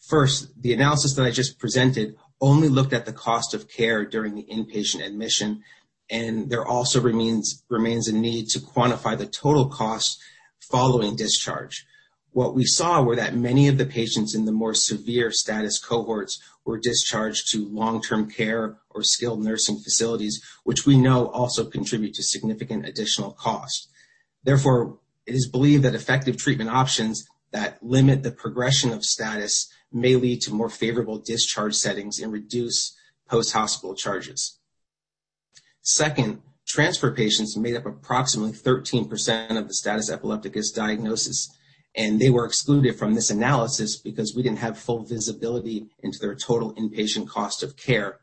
First, the analysis that I just presented only looked at the cost of care during the inpatient admission, and there also remains a need to quantify the total cost following discharge. What we saw were that many of the patients in the more severe status cohorts were discharged to long-term care or skilled nursing facilities, which we know also contribute to significant additional cost. Therefore, it is believed that effective treatment options that limit the progression of status may lead to more favorable discharge settings and reduce post-hospital charges. Second, transfer patients made up approximately 13% of the status epilepticus diagnosis, and they were excluded from this analysis because we didn't have full visibility into their total inpatient cost of care.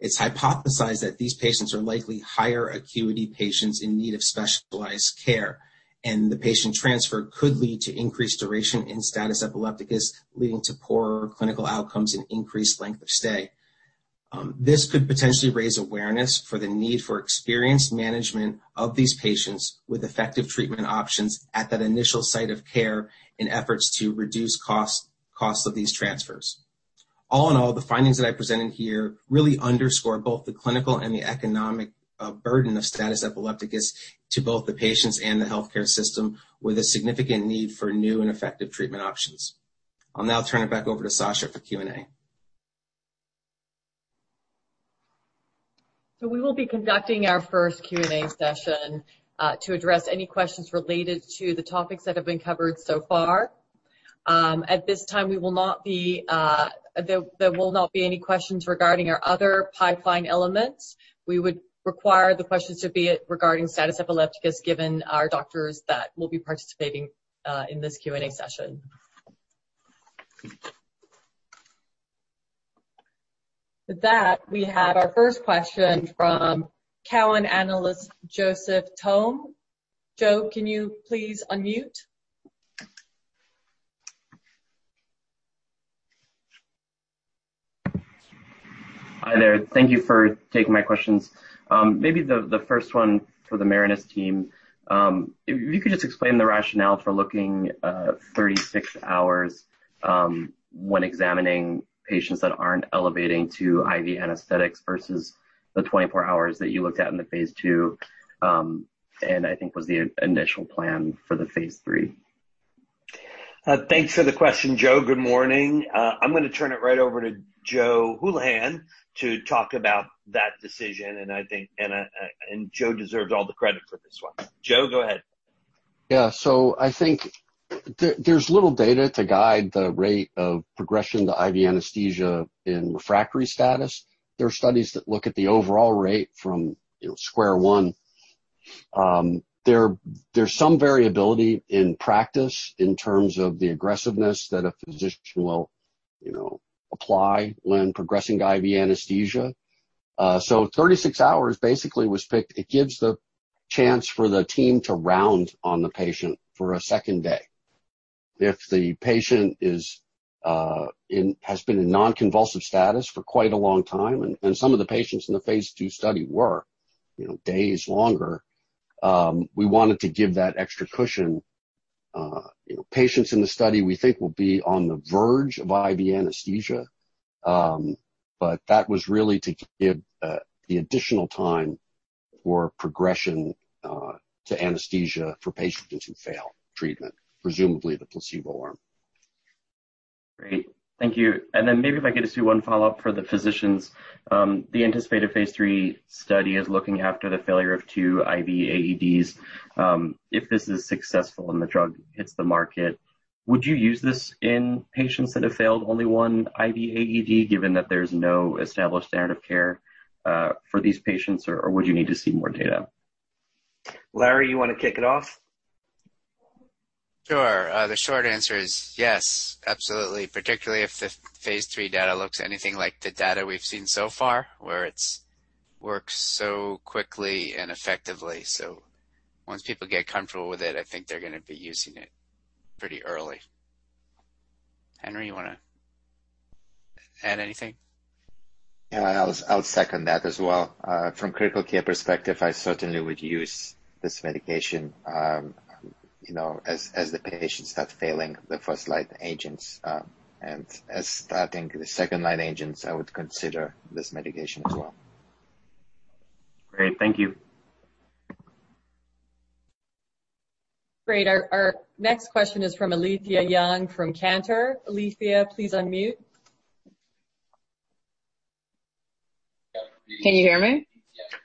It's hypothesized that these patients are likely higher acuity patients in need of specialized care, and the patient transfer could lead to increased duration in status epilepticus, leading to poorer clinical outcomes and increased length of stay. This could potentially raise awareness for the need for experienced management of these patients with effective treatment options at that initial site of care in efforts to reduce costs of these transfers. All in all, the findings that I presented here really underscore both the clinical and the economic burden of status epilepticus to both the patients and the healthcare system, with a significant need for new and effective treatment options. I'll now turn it back over to Sasha for Q&A. We will be conducting our first Q&A session to address any questions related to the topics that have been covered so far. At this time, there will not be any questions regarding our other pipeline elements. We would require the questions to be regarding status epilepticus, given our doctors that will be participating in this Q&A session. We have our first question from Cowen analyst, Joseph Thome. Joe, can you please unmute? Hi there. Thank you for taking my questions. Maybe the first one for the Marinus team. If you could just explain the rationale for looking 36 hours when examining patients that aren't elevating to IV anesthetics versus the 24 hours that you looked at in the phase II, and I think was the initial plan for the phase III. Thanks for the question, Joe. Good morning. I'm going to turn it right over to Joe Hulihan to talk about that decision. I think Joe deserves all the credit for this one. Joe, go ahead. Yeah. I think there's little data to guide the rate of progression to IV anesthesia in refractory status. There are studies that look at the overall rate from square one. There's some variability in practice in terms of the aggressiveness that a physician will apply when progressing to IV anesthesia. 36 hours basically was picked. It gives the chance for the team to round on the patient for a second day. If the patient has been in non-convulsive status for quite a long time, and some of the patients in the phase II study were days longer, we wanted to give that extra cushion. Patients in the study we think will be on the verge of IV anesthesia. That was really to give the additional time for progression to anesthesia for patients who fail treatment, presumably the placebo arm. Great. Thank you. Maybe if I could just do one follow-up for the physicians. The anticipated phase III study is looking after the failure of two IV AEDs. If this is successful and the drug hits the market, would you use this in patients that have failed only one IV AED, given that there's no established standard of care for these patients, or would you need to see more data? Larry, you want to kick it off? Sure. The short answer is yes, absolutely, particularly if the phase III data looks anything like the data we've seen so far, where it works so quickly and effectively. Once people get comfortable with it, I think they're going to be using it pretty early. Henry, you want to add anything? Yeah, I'll second that as well. From critical care perspective, I certainly would use this medication, as the patient start failing the first-line agents. As starting the second-line agents, I would consider this medication as well. Great. Thank you. Great. Our next question is from Alethia Young, from Cantor. Alethia, please unmute. Can you hear me?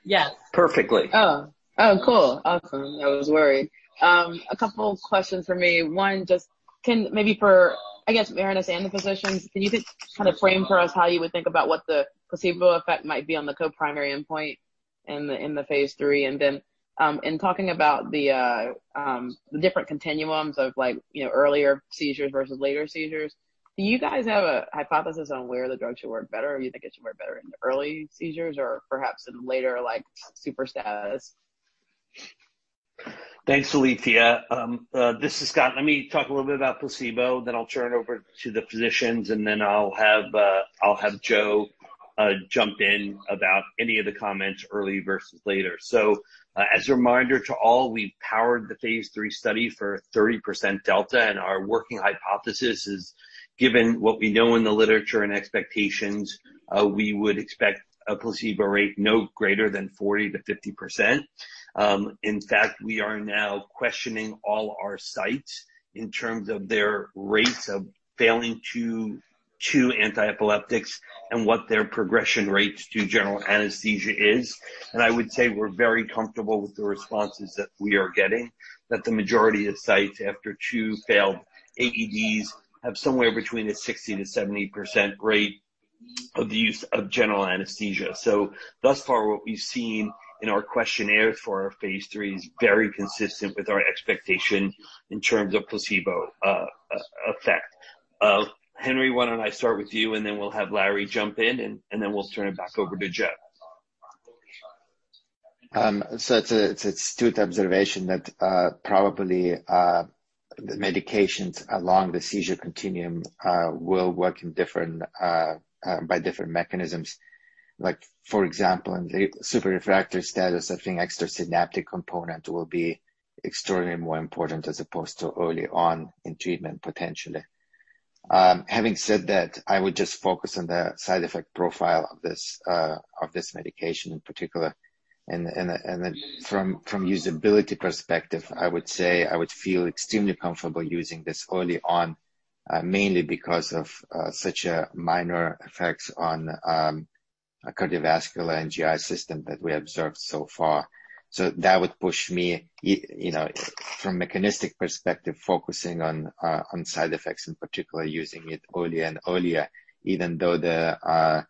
Yes. Perfectly. Oh, cool. Awesome. I was worried. A couple questions for me. One, just can, maybe for, I guess, Marinus and the physicians, can you just kind of frame for us how you would think about what the placebo effect might be on the co-primary endpoint in the phase III? Then, in talking about the different continuums of earlier seizures versus later seizures, do you guys have a hypothesis on where the drug should work better? Do you think it should work better in early seizures or perhaps in later, like super status? Thanks, Alethia. This is Scott. Let me talk a little bit about placebo, then I'll turn over to the physicians, and then I'll have Joe jump in about any of the comments early versus later. As a reminder to all, we've powered the phase III study for 30% delta, and our working hypothesis is, given what we know in the literature and expectations, we would expect a placebo rate no greater than 40%-50%. In fact, we are now questioning all our sites in terms of their rates of failing two antiepileptics and what their progression rates to general anesthesia is. I would say we're very comfortable with the responses that we are getting, that the majority of sites after two failed AEDs have somewhere between a 60%-70% rate of the use of general anesthesia. Thus far, what we've seen in our questionnaires for our phase III is very consistent with our expectation in terms of placebo effect. Henry, why don't I start with you, and then we'll have Larry jump in, and then we'll turn it back over to Joe. It's astute observation that probably the medications along the seizure continuum will work by different mechanisms. Like, for example, in super-refractory status, I think extrasynaptic component will be extremely more important as opposed to early on in treatment, potentially. Having said that, I would just focus on the side effect profile of this medication in particular. From usability perspective, I would say I would feel extremely comfortable using this early on, mainly because of such minor effects on cardiovascular and GI system that we observed so far. That would push me, from mechanistic perspective, focusing on side effects in particular, using it earlier and earlier, even though the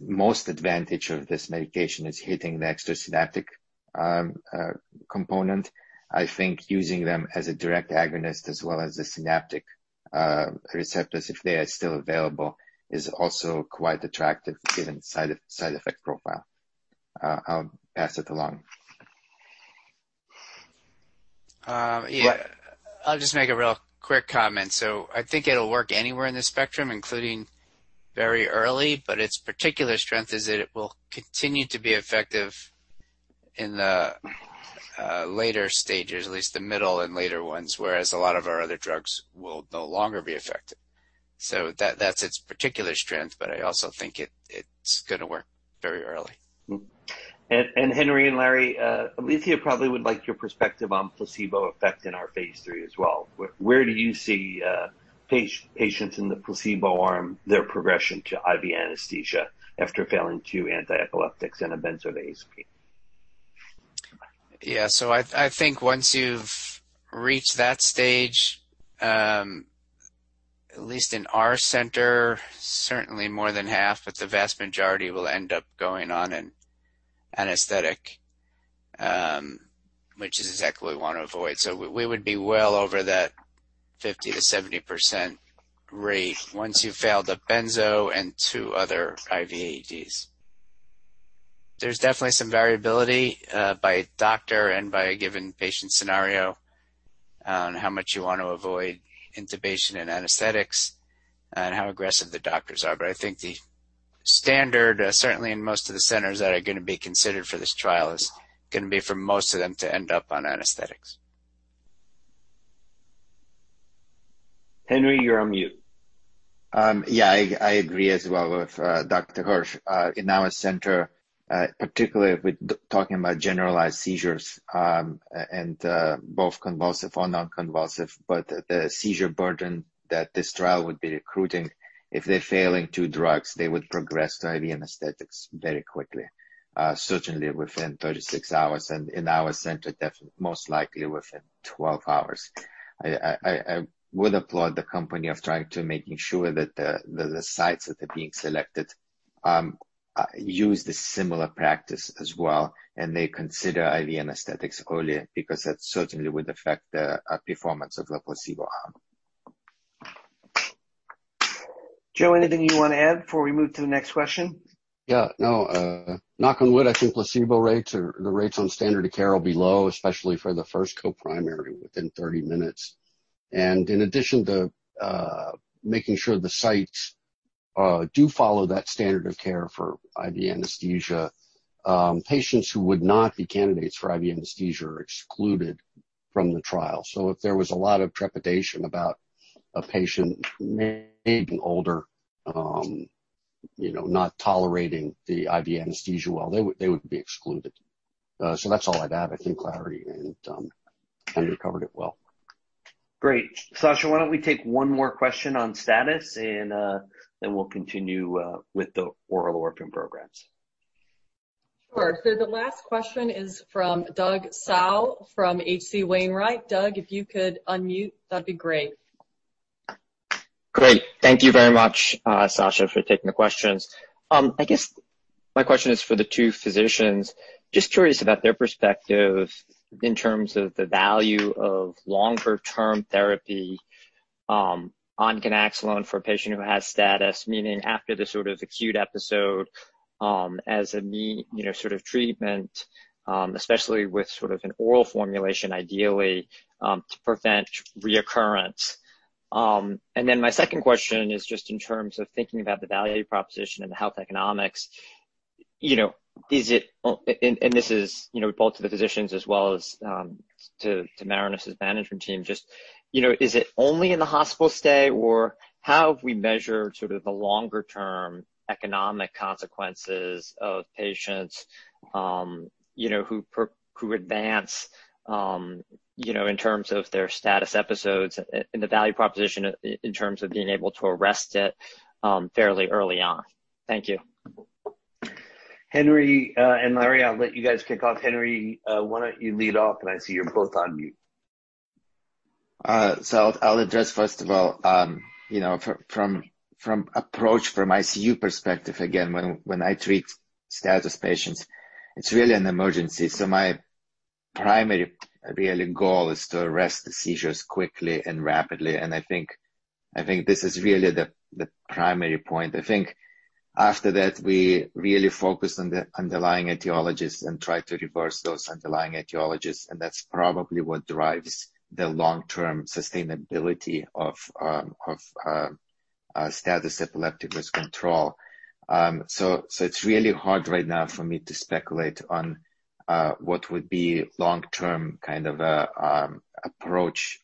most advantage of this medication is hitting the extrasynaptic component. I think using them as a direct agonist as well as the synaptic receptors, if they are still available, is also quite attractive given side effect profile. I'll pass it along. Yeah. I'll just make a real quick comment. I think it'll work anywhere in the spectrum, including very early, but its particular strength is that it will continue to be effective in the later stages, at least the middle and later ones, whereas a lot of our other drugs will no longer be effective. That's its particular strength, but I also think it's going to work very early. Henry and Larry, Alethia probably would like your perspective on placebo effect in our Phase III as well. Where do you see patients in the placebo arm, their progression to IV anesthesia after failing two antiepileptics and a benzodiazepine? Yeah. I think once you've reached that stage, at least in our center, certainly more than half, but the vast majority will end up going on an anesthetic, which is exactly what we want to avoid. We would be well over that 50%-70% rate once you've failed a benzo and two other IV AEDs. There's definitely some variability, by doctor and by a given patient scenario on how much you want to avoid intubation and anesthetics and how aggressive the doctors are. I think the standard, certainly in most of the centers that are going to be considered for this trial, is going to be for most of them to end up on anesthetics. Henry, you're on mute. Yeah, I agree as well with Dr. Hirsch. In our center, particularly with talking about generalized seizures, and both convulsive or non-convulsive, but the seizure burden that this trial would be recruiting, if they're failing two drugs, they would progress to IV anesthetics very quickly. Certainly within 36 hours, and in our center, most likely within 12 hours. I would applaud the company of trying to making sure that the sites that are being selected use the similar practice as well, and they consider IV anesthetics earlier, because that certainly would affect the performance of the placebo arm. Joe, anything you want to add before we move to the next question? Yeah, no. Knock on wood, I think placebo rates or the rates on standard of care will be low, especially for the first co-primary within 30 minutes. In addition to making sure the sites do follow that standard of care for IV anesthesia, patients who would not be candidates for IV anesthesia are excluded from the trial. If there was a lot of trepidation about a patient, maybe older, not tolerating the IV anesthesia well, they would be excluded. That's all I'd add. I think Larry and Henry covered it well. Great. Sasha, why don't we take one more question on STATUS, and then we'll continue with the oral orphan programs. Sure. The last question is from Doug Tsao from H.C. Wainwright. Doug, if you could unmute, that'd be great. Great. Thank you very much, Sasha, for taking the questions. My question is for the two physicians. Curious about their perspective in terms of the value of longer-term therapy on ganaxolone for a patient who has STATUS, meaning after the sort of acute episode, as should know of a treatment, especially with an oral formulation, ideally, to prevent recurrence. My second question is just in terms of thinking about the value proposition and the health economics. This is both to the physicians as well as to Marinus's management team, is it only in the hospital stay, or how have we measured sort of the longer-term economic consequences of patients who advance in terms of their STATUS episodes and the value proposition in terms of being able to arrest it fairly early on? Thank you. Henry and Larry, I'll let you guys kick off. Henry, why don't you lead off? I see you're both on mute. I'll address first of all, from approach from ICU perspective, again, when I treat STATUS patients, it's really an emergency. My primary, really, goal is to arrest the seizures quickly and rapidly. I think this is really the primary endpoint. I think after that, we really focus on the underlying etiologies and try to reverse those underlying etiologies, and that's probably what drives the long-term sustainability of status epilepticus control. It's really hard right now for me to speculate on what would be long-term kind of approach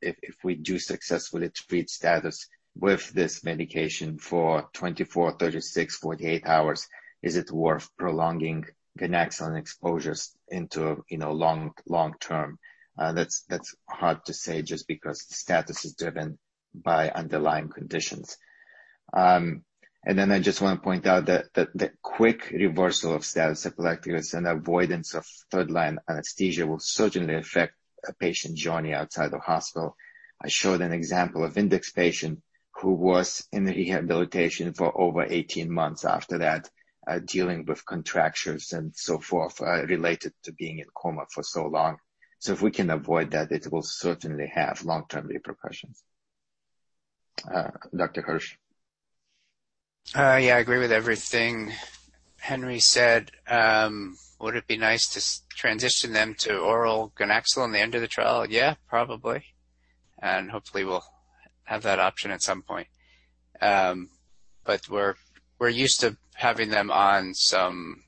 if we do successfully treat STATUS with this medication for 24, 36, 48 hours. Is it worth prolonging ganaxolone exposures into long term? That's hard to say just because the STATUS is driven by underlying conditions. I just want to point out that the quick reversal of status epilepticus and avoidance of third-line anesthesia will certainly affect a patient's journey outside the hospital. I showed an example of index patient who was in rehabilitation for over 18 months after that, dealing with contractures and so forth, related to being in coma for so long. If we can avoid that, it will certainly have long-term repercussions. Dr. Hirsch. Yeah, I agree with everything Henry said. Would it be nice to transition them to oral ganaxolone at the end of the trial? Yeah, probably. Hopefully, we'll have that option at some point. We're used to having them on some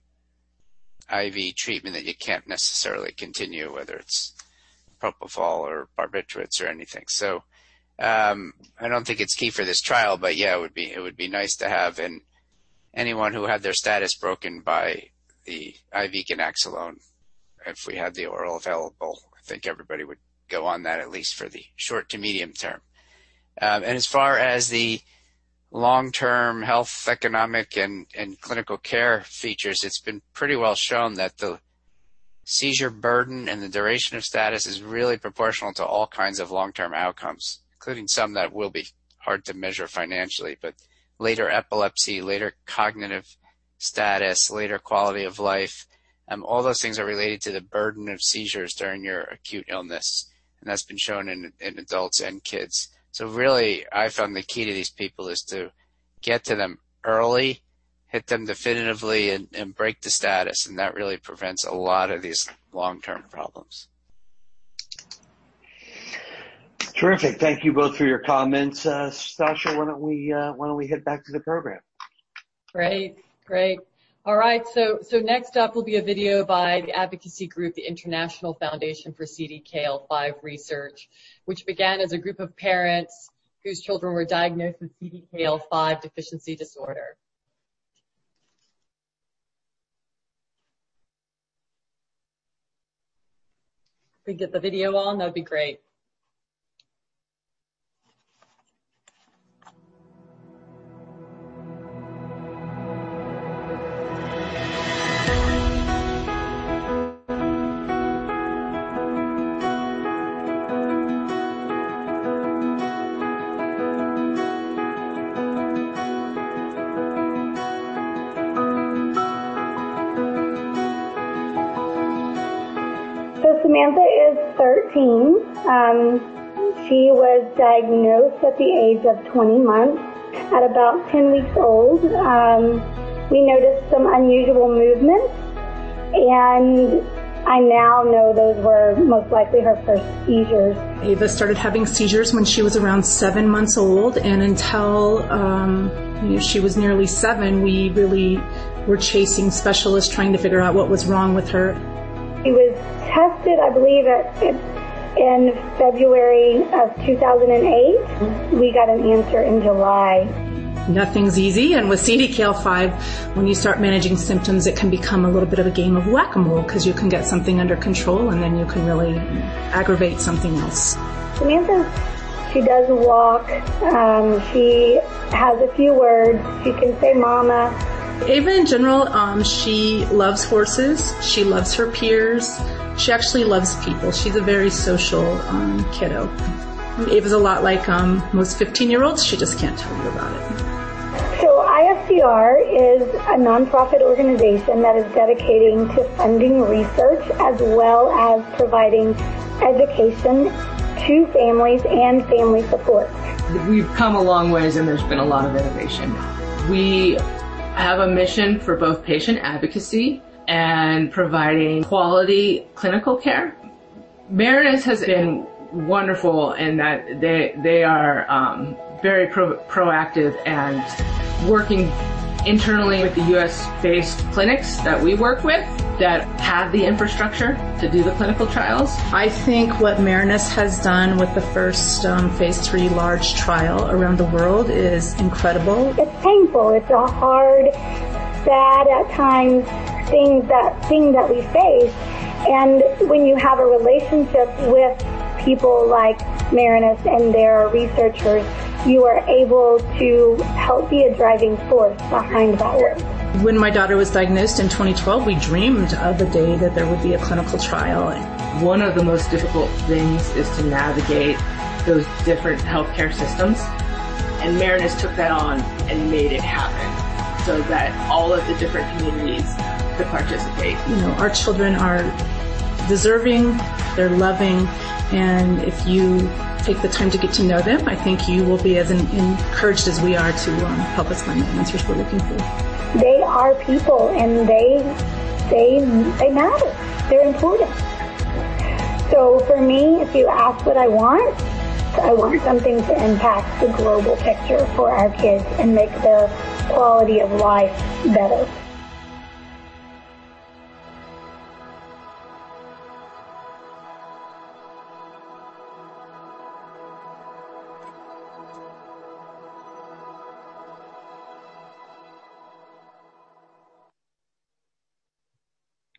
IV treatment that you can't necessarily continue, whether it's propofol or barbiturates or anything. I don't think it's key for this trial, but yeah, it would be nice to have. Anyone who had their STATUS broken by the IV ganaxolone, if we had the oral available, I think everybody would go on that, at least for the short to medium term. As far as the long-term health, economic, and clinical care features, it's been pretty well shown that the seizure burden and the duration of STATUS is really proportional to all kinds of long-term outcomes, including some that will be hard to measure financially, but later epilepsy, later cognitive STATUS, later quality of life, all those things are related to the burden of seizures during your acute illness, and that's been shown in adults and kids. Really, I found the key to these people is to get to them early, hit them definitively, and break the STATUS, and that really prevents a lot of these long-term problems. Terrific. Thank you both for your comments. Sasha, why don't we head back to the program? Great. All right. Next up will be a video by the advocacy group, the International Foundation for CDKL5 Research, which began as a group of parents whose children were diagnosed with CDKL5 deficiency disorder. If we get the video on, that'd be great. Samantha is 13. She was diagnosed at the age of 20 months. At about 10 weeks old, we noticed some unusual movements, and I now know those were most likely her first seizures. Ava started having seizures when she was around seven months old, and until she was nearly seven, we really were chasing specialists trying to figure out what was wrong with her. She was tested, I believe, in February of 2008. We got an answer in July. Nothing's easy, and with CDKL5, when you start managing symptoms, it can become a little bit of a game of Whac-A-Mole because you can get something under control, and then you can really aggravate something else. Samantha, she does walk. She has a few words. She can say "Mama. Ava, in general, she loves horses. She loves her peers. She actually loves people. She's a very social kiddo. Ava's a lot like most 15-year-olds. She just can't tell you about it. IFCR is a nonprofit organization that is dedicating to funding research as well as providing education to families and family support. We've come a long ways, and there's been a lot of innovation now. We have a mission for both patient advocacy and providing quality clinical care. Marinus has been wonderful in that they are very proactive and working internally with the U.S.-based clinics that we work with that have the infrastructure to do the clinical trials. I think what Marinus has done with the first phase III large trial around the world is incredible. It's painful. It's a hard, sad at times thing that we face, and when you have a relationship with people like Marinus and their researchers, you are able to help be a driving force behind that work. When my daughter was diagnosed in 2012, we dreamed of the day that there would be a clinical trial. One of the most difficult things is to navigate those different healthcare systems, and Marinus took that on and made it happen so that all of the different communities could participate. Our children are deserving, they're loving, and if you take the time to get to know them, I think you will be as encouraged as we are to help us find the answers we're looking for. They are people, and they matter. They're important. For me, if you ask what I want, I want something to impact the global picture for our kids and make their quality of life better.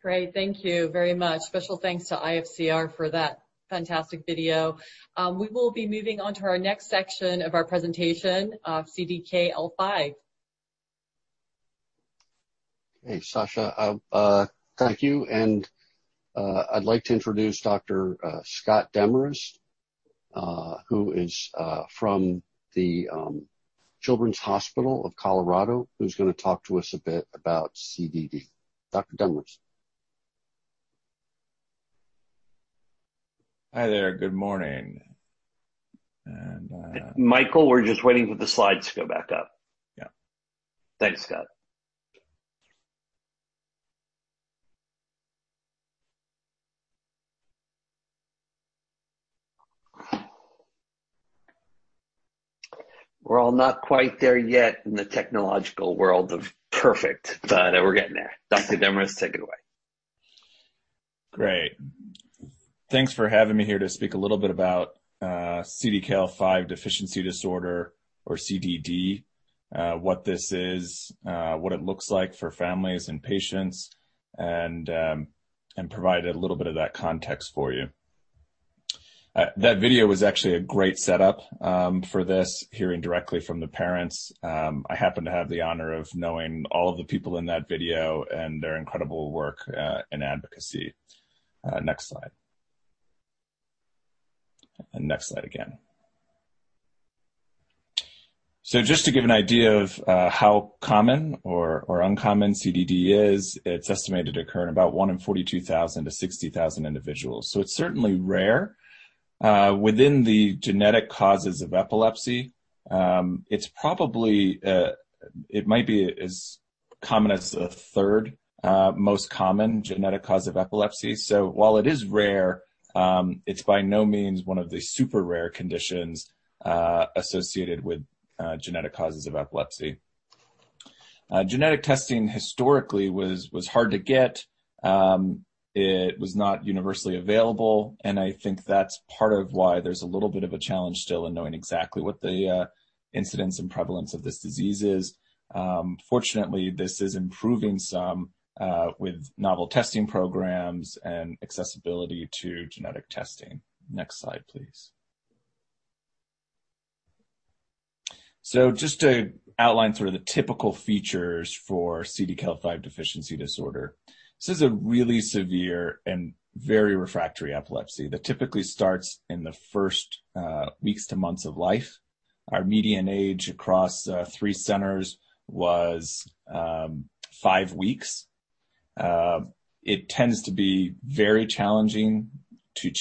Great. Thank you very much. Special thanks to IFCR for that fantastic video. We will be moving on to our next section of our presentation of CDKL5. Hey, Sasha. Thank you, and I'd like to introduce Dr. Scott Demarest, who is from the Children's Hospital Colorado, who's going to talk to us a bit about CDD. Dr. Demarest. Hi there. Good morning. Michael, we're just waiting for the slides to go back up. Yeah. Thanks, Scott. We're all not quite there yet in the technological world of perfect, but we're getting there. Dr. Demarest, take it away. Great. Thanks for having me here to speak a little bit about CDKL5 Deficiency Disorder or CDD, what this is, what it looks like for families and patients, and provide a little bit of that context for you. That video was actually a great setup for this, hearing directly from the parents. I happen to have the honor of knowing all of the people in that video and their incredible work and advocacy. Next slide. Next slide again. Just to give an idea of how common or uncommon CDD is, it's estimated to occur in about one in 42,000 to 60,000 individuals. It's certainly rare. Within the genetic causes of epilepsy, it might be as common as the third most common genetic cause of epilepsy. While it is rare, it's by no means one of the super rare conditions associated with genetic causes of epilepsy. Genetic testing historically was hard to get. It was not universally available, I think that's part of why there's a little bit of a challenge still in knowing exactly what the incidence and prevalence of this disease is. Fortunately, this is improving some with novel testing programs and accessibility to genetic testing. Next slide, please. Just to outline sort of the typical features for CDKL5 deficiency disorder. This is a really severe and very refractory epilepsy that typically starts in the first weeks to months of life. Our median age across three centers was five weeks. It tends to be very challenging to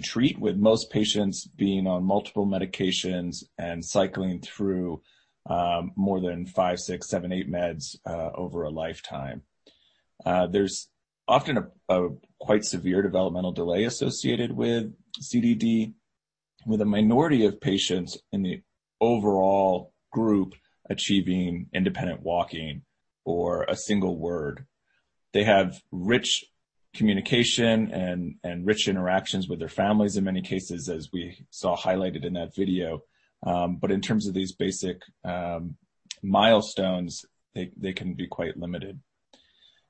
treat, with most patients being on multiple medications and cycling through more than five, six, seven, eight meds over a lifetime. There's often a quite severe developmental delay associated with CDD, with a minority of patients in the overall group achieving independent walking or a single word. They have rich communication and rich interactions with their families, in many cases, as we saw highlighted in that video. In terms of these basic milestones, they can be quite limited.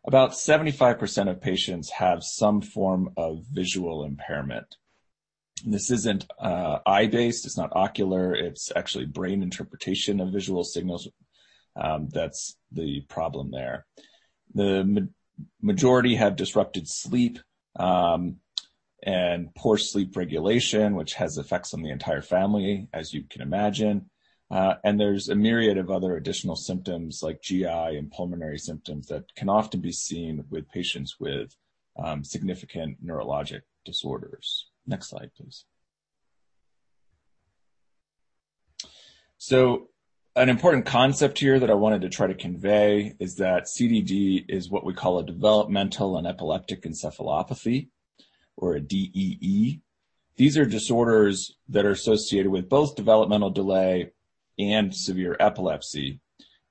About 75% of patients have some form of visual impairment. This isn't eye-based, it's not ocular, it's actually brain interpretation of visual signals that's the problem there. The majority have disrupted sleep and poor sleep regulation, which has effects on the entire family, as you can imagine. There's a myriad of other additional symptoms like GI and pulmonary symptoms that can often be seen with patients with significant neurologic disorders. Next slide, please. An important concept here that I wanted to try to convey is that CDD is what we call a developmental and epileptic encephalopathy or a DEE. These are disorders that are associated with both developmental delay and severe epilepsy.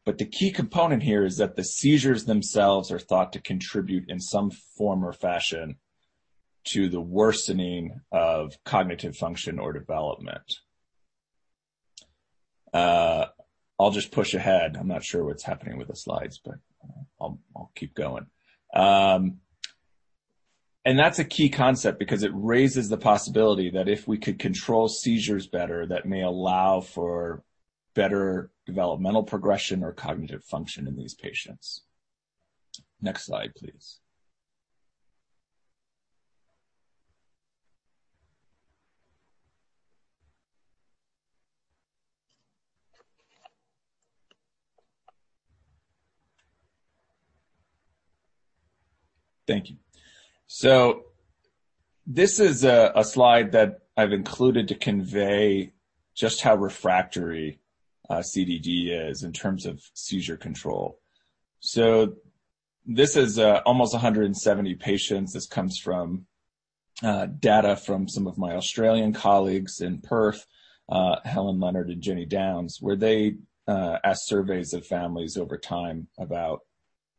The key component here is that the seizures themselves are thought to contribute in some form or fashion to the worsening of cognitive function or development. I'll just push ahead. I'm not sure what's happening with the slides, but I'll keep going. That's a key concept because it raises the possibility that if we could control seizures better, that may allow for better developmental progression or cognitive function in these patients. Next slide, please. Thank you. This is a slide that I've included to convey just how refractory CDD is in terms of seizure control. This is almost 170 patients. This comes from data from some of my Australian colleagues in Perth, Helen Leonard and Jenny Downs, where they asked surveys of families over time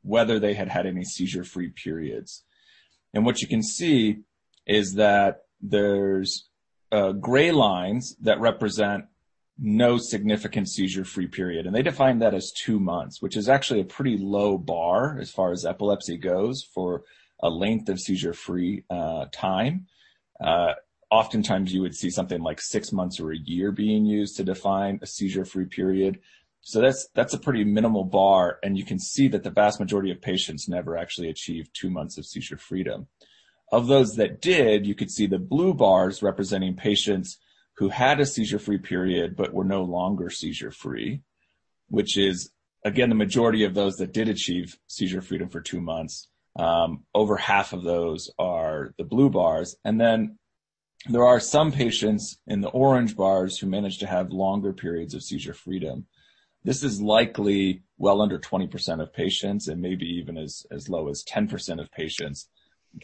about whether they had had any seizure-free periods. What you can see is that there's gray lines that represent no significant seizure-free period, and they define that as two months, which is actually a pretty low bar as far as epilepsy goes for a length of seizure-free time. Oftentimes, you would see something like six months or a year being used to define a seizure-free period. That's a pretty minimal bar, and you can see that the vast majority of patients never actually achieve two months of seizure freedom. Of those that did, you could see the blue bars representing patients who had a seizure-free period but were no longer seizure free, which is, again, the majority of those that did achieve seizure freedom for 2 months. Over half of those are the blue bars. Then there are some patients in the orange bars who manage to have longer periods of seizure freedom. This is likely well under 20% of patients and maybe even as low as 10% of patients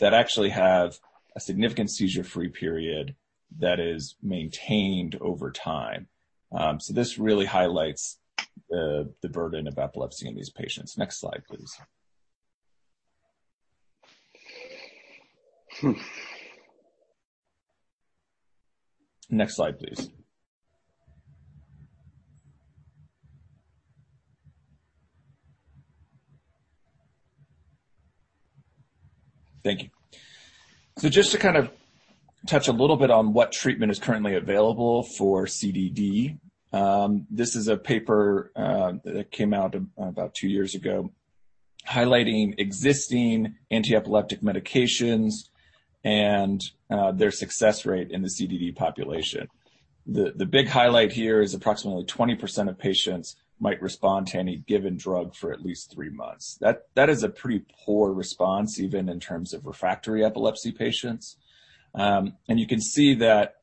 that actually have a significant seizure-free period that is maintained over time. This really highlights the burden of epilepsy in these patients. Next slide, please. Next slide, please. Thank you. Just to kind of touch a little bit on what treatment is currently available for CDD. This is a paper that came out about two years ago highlighting existing antiepileptic medications and their success rate in the CDD population. The big highlight here is approximately 20% of patients might respond to any given drug for at least three months. That is a pretty poor response, even in terms of refractory epilepsy patients. You could see 69%,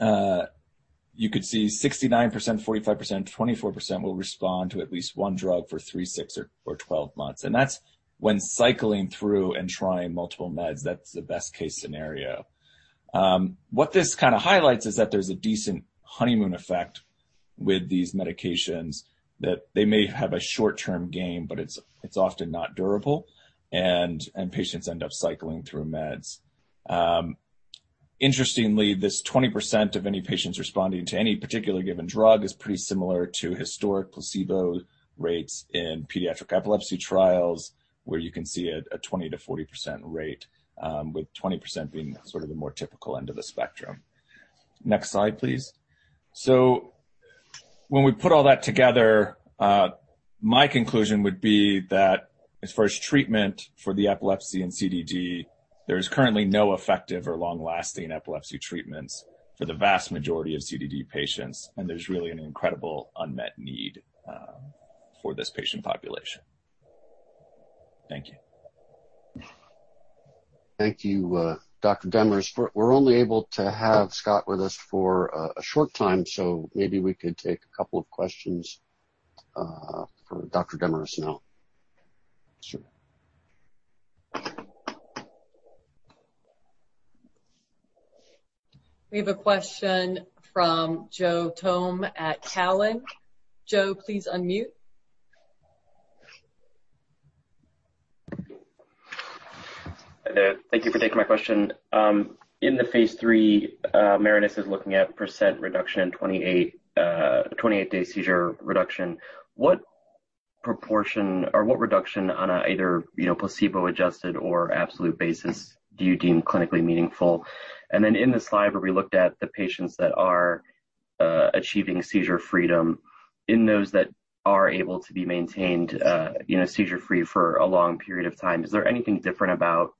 45%, 24% will respond to at least one drug for three, six, or 12 months. That's when cycling through and trying multiple meds. That's the best-case scenario. What this kind of highlights is that there's a decent honeymoon effect with these medications that they may have a short-term gain, but it's often not durable, and patients end up cycling through meds. Interestingly, this 20% of any patients responding to any particular given drug is pretty similar to historic placebo rates in pediatric epilepsy trials, where you can see a 20%-40% rate, with 20% being sort of the more typical end of the spectrum. Next slide, please. When we put all that together, my conclusion would be that as far as treatment for the epilepsy and CDD, there is currently no effective or long-lasting epilepsy treatments for the vast majority of CDD patients, and there's really an incredible unmet need for this patient population. Thank you. Thank you, Dr. Demarest. We're only able to have Scott with us for a short time, so maybe we could take a couple of questions for Dr. Demarest now. Sure. We have a question from Joe Thome at Cowen. Joe, please unmute. Hi there. Thank you for taking my question. In the phase III, Marinus is looking at % reduction, 28-day seizure reduction. What proportion or what reduction on either placebo adjusted or absolute basis do you deem clinically meaningful? In the slide where we looked at the patients that are achieving seizure freedom, in those that are able to be maintained seizure-free for a long period of time, is there anything different about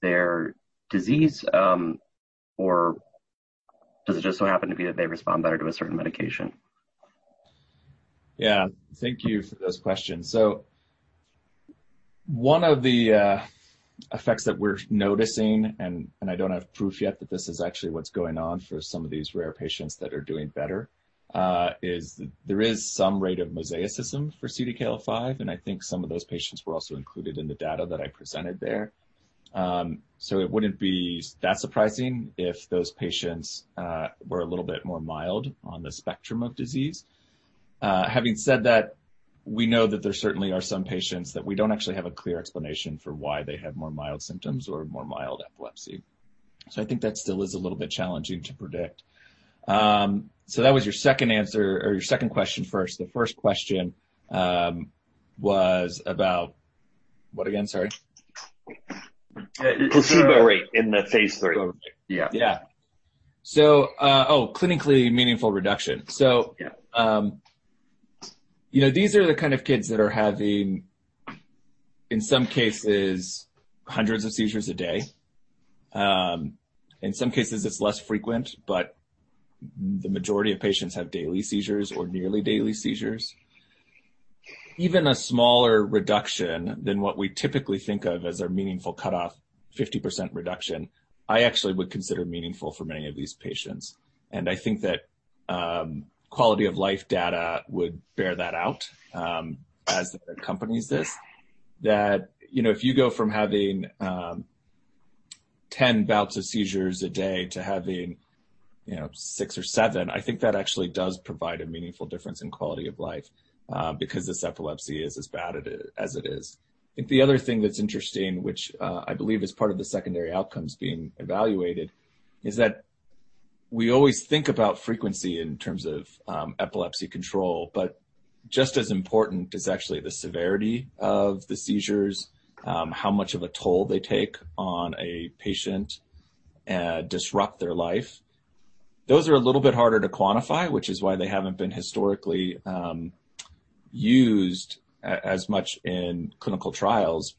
their disease? Does it just so happen to be that they respond better to a certain medication? Yeah. Thank you for those questions. One of the effects that we're noticing, and I don't have proof yet that this is actually what's going on for some of these rare patients that are doing better, is there is some rate of mosaicism for CDKL5, and I think some of those patients were also included in the data that I presented there. It wouldn't be that surprising if those patients were a little bit more mild on the spectrum of disease. Having said that, we know that there certainly are some patients that we don't actually have a clear explanation for why they have more mild symptoms or more mild epilepsy. I think that still is a little bit challenging to predict. That was your second question first. The first question was about what again? Sorry. Placebo rate in the phase III. Yeah. Yeah. Oh, clinically meaningful reduction. Yeah. These are the kind of kids that are having, in some cases, hundreds of seizures a day. In some cases, it's less frequent, but the majority of patients have daily seizures or nearly daily seizures. Even a smaller reduction than what we typically think of as our meaningful cutoff, 50% reduction, I actually would consider meaningful for many of these patients. I think that quality of life data would bear that out, as that accompanies this. That if you go from having 10 bouts of seizures a day to having six or seven, I think that actually does provide a meaningful difference in quality of life, because this epilepsy is as bad as it is. I think the other thing that's interesting, which I believe is part of the secondary outcomes being evaluated, is that we always think about frequency in terms of epilepsy control. Just as important is actually the severity of the seizures, how much of a toll they take on a patient, disrupt their life. Those are a little bit harder to quantify, which is why they haven't been historically used as much in clinical trials.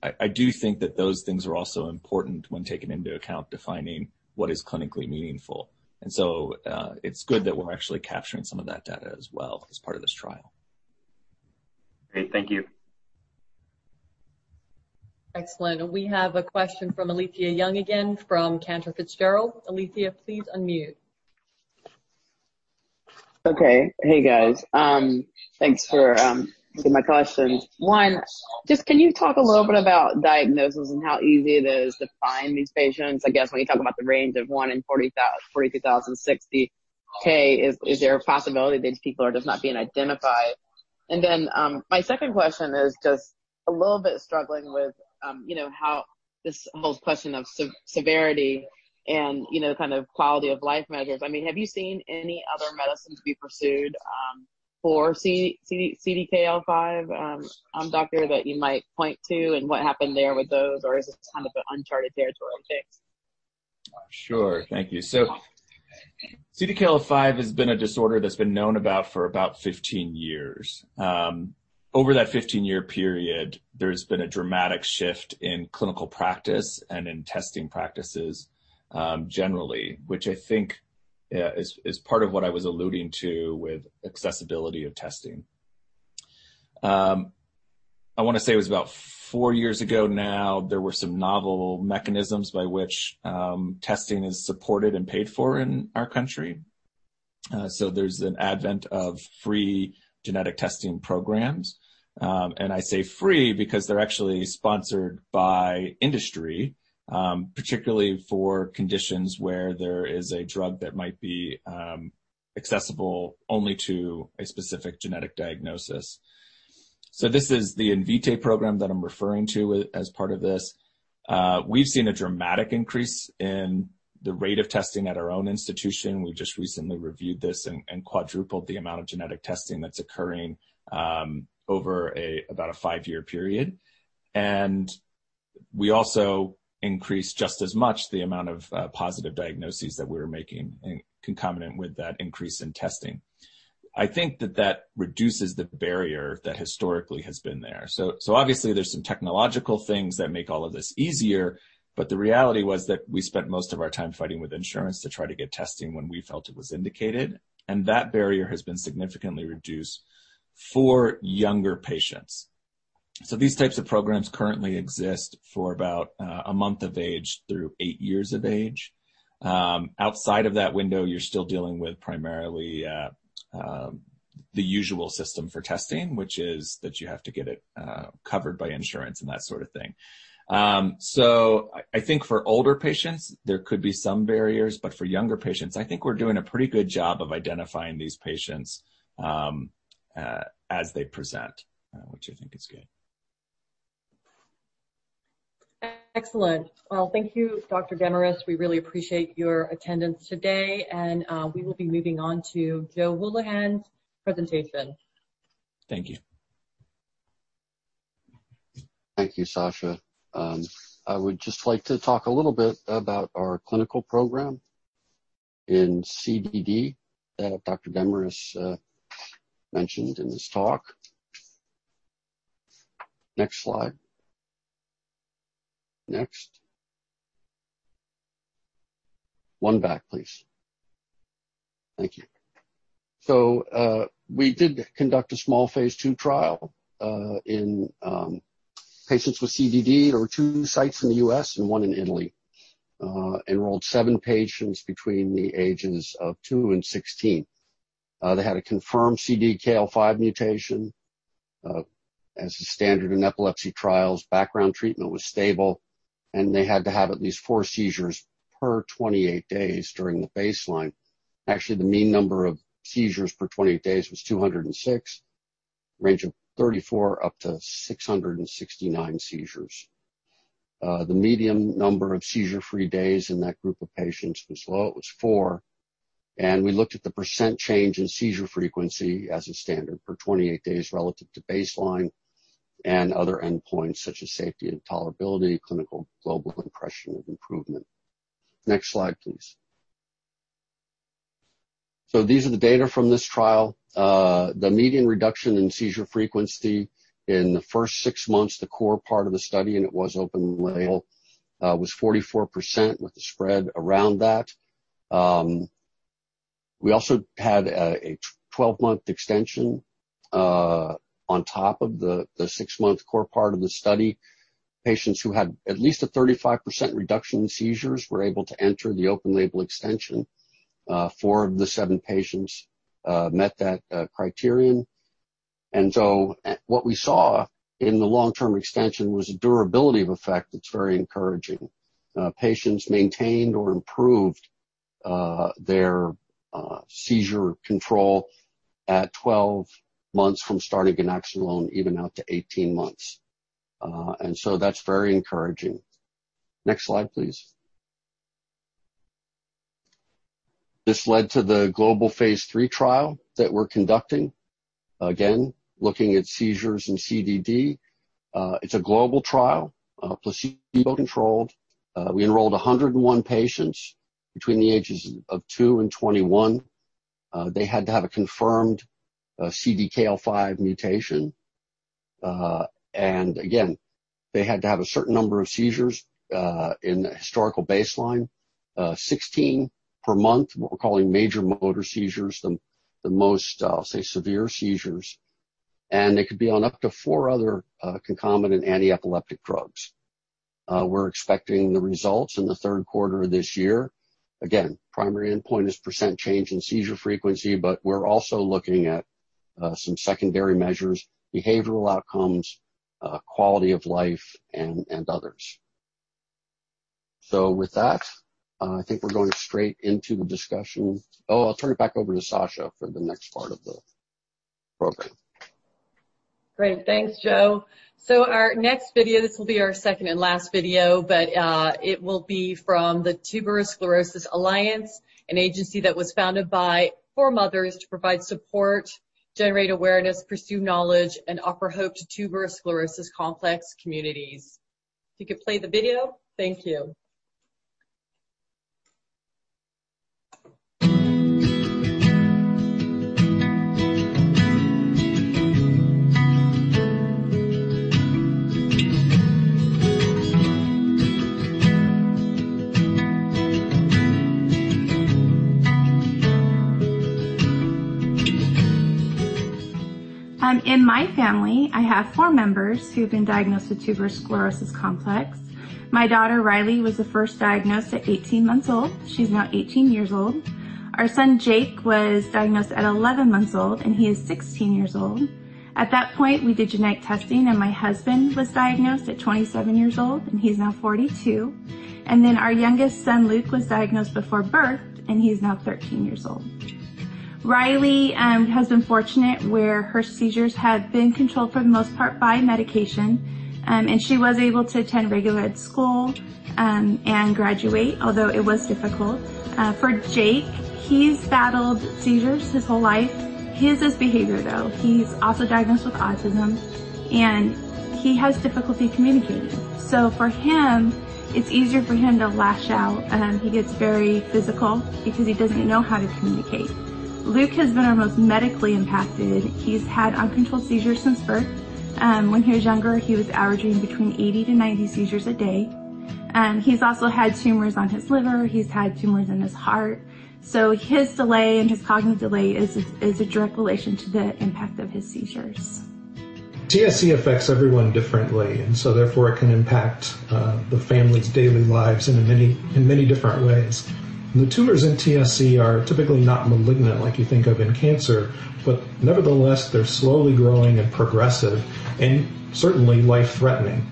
I do think that those things are also important when taking into account defining what is clinically meaningful. It's good that we're actually capturing some of that data as well as part of this trial. Great. Thank you. Excellent. We have a question from Alethia Young again from Cantor Fitzgerald. Alethia, please unmute. Okay. Hey, guys. Thanks for taking my questions. One, just can you talk a little bit about diagnosis and how easy it is to find these patients? I guess when you talk about the range of one in 40,000 to 60,000, is there a possibility these people are just not being identified? My second question is just a little bit struggling with this whole question of severity and kind of quality of life measures. Have you seen any other medicines be pursued for CDKL5, Doctor, that you might point to and what happened there with those? Or is this kind of an uncharted territory fix? Sure. Thank you. CDKL5 has been a disorder that's been known about for about 15 years. Over that 15-year period, there's been a dramatic shift in clinical practice and in testing practices, generally. Which I think is part of what I was alluding to with accessibility of testing. I want to say it was about four years ago now, there were some novel mechanisms by which testing is supported and paid for in our country. There's an advent of free genetic testing programs. I say free because they're actually sponsored by industry, particularly for conditions where there is a drug that might be accessible only to a specific genetic diagnosis. This is the Invitae Program that I'm referring to as part of this. We've seen a dramatic increase in the rate of testing at our own institution. We just recently reviewed this and quadrupled the amount of genetic testing that's occurring over about a five-year period. We also increased just as much the amount of positive diagnoses that we were making concomitant with that increase in testing. I think that that reduces the barrier that historically has been there. Obviously, there's some technological things that make all of this easier, but the reality was that we spent most of our time fighting with insurance to try to get testing when we felt it was indicated, and that barrier has been significantly reduced for younger patients. These types of programs currently exist for about a month of age through eight years of age. Outside of that window, you're still dealing with primarily the usual system for testing, which is that you have to get it covered by insurance and that sort of thing. I think for older patients, there could be some barriers, but for younger patients, I think we're doing a pretty good job of identifying these patients as they present, which I think is good. Excellent. Well, thank you, Dr. Demarest. We really appreciate your attendance today, and we will be moving on to Joe Hulihan's presentation. Thank you. Thank you, Sasha. I would just like to talk a little bit about our clinical program in CDD that Dr. Demarest mentioned in his talk. Next slide. Next. One back, please. Thank you. We did conduct a small phase II trial in patients with CDD. There were two sites in the U.S. and one in Italy. Enrolled seven patients between the ages of two and 16. They had a confirmed CDKL5 mutation. As the standard in epilepsy trials, background treatment was stable, and they had to have at least four seizures per 28 days during the baseline. Actually, the mean number of seizures per 28 days was 206, range of 34 up to 669 seizures. The median number of seizure-free days in that group of patients was low. It was four. We looked at the % change in seizure frequency as a standard for 28 days relative to baseline and other endpoints such as safety and tolerability, Clinical Global Impression of Improvement. Next slide, please. These are the data from this trial. The median reduction in seizure frequency in the first six months, the core part of the study, and it was open label, was 44% with the spread around that. We also had a 12-month extension on top of the six-month core part of the study. Patients who had at least a 35% reduction in seizures were able to enter the open label extension. Four of the seven patients met that criterion. What we saw in the long-term extension was a durability of effect that's very encouraging. Patients maintained or improved their seizure control at 12 months from starting ganaxolone, even out to 18 months. That's very encouraging. Next slide, please. This led to the global phase III trial that we're conducting. Again, looking at seizures and CDD. It's a global trial, placebo controlled. We enrolled 101 patients between the ages of two and 21. They had to have a confirmed CDKL5 mutation. Again, they had to have a certain number of seizures in the historical baseline, 16 per month, what we're calling major motor seizures, the most, I'll say, severe seizures. They could be on up to four other concomitant antiepileptic drugs. We're expecting the results in the third quarter of this year. Primary endpoint is percent change in seizure frequency, but we're also looking at some secondary measures, behavioral outcomes, quality of life, and others. With that, I think we're going straight into the discussion. I'll turn it back over to Sasha for the next part of the program. Great. Thanks, Joe. Our next video, this will be our second and last video, but it will be from the Tuberous Sclerosis Alliance, an agency that was founded by four mothers to provide support, generate awareness, pursue knowledge, and offer hope to tuberous sclerosis complex communities. If you could play the video. Thank you. In my family, I have four members who've been diagnosed with tuberous sclerosis complex. My daughter, Riley, was the 1st diagnosed at 18 months old. She's now 18 years old. Our son, Jake, was diagnosed at 11 months old, and he is 16 years old. At that point, we did genetic testing, and my husband was diagnosed at 27 years old, and he's now 42. Our youngest son, Luke, was diagnosed before birth, and he's now 13 years old. Riley has been fortunate where her seizures have been controlled for the most part by medication, and she was able to attend regular ed school, and graduate, although it was difficult. For Jake, he's battled seizures his whole life. His is behavior, though. He's also diagnosed with autism. He has difficulty communicating. For him, it's easier for him to lash out. He gets very physical because he doesn't know how to communicate. Luke has been our most medically impacted. He's had uncontrolled seizures since birth. When he was younger, he was averaging between 80-90 seizures a day. He's also had tumors on his liver. He's had tumors in his heart. His delay and his cognitive delay is a direct relation to the impact of his seizures. TSC affects everyone differently, and so therefore, it can impact the family's daily lives in many different ways. Nevertheless, they're slowly growing and progressive, and certainly life-threatening.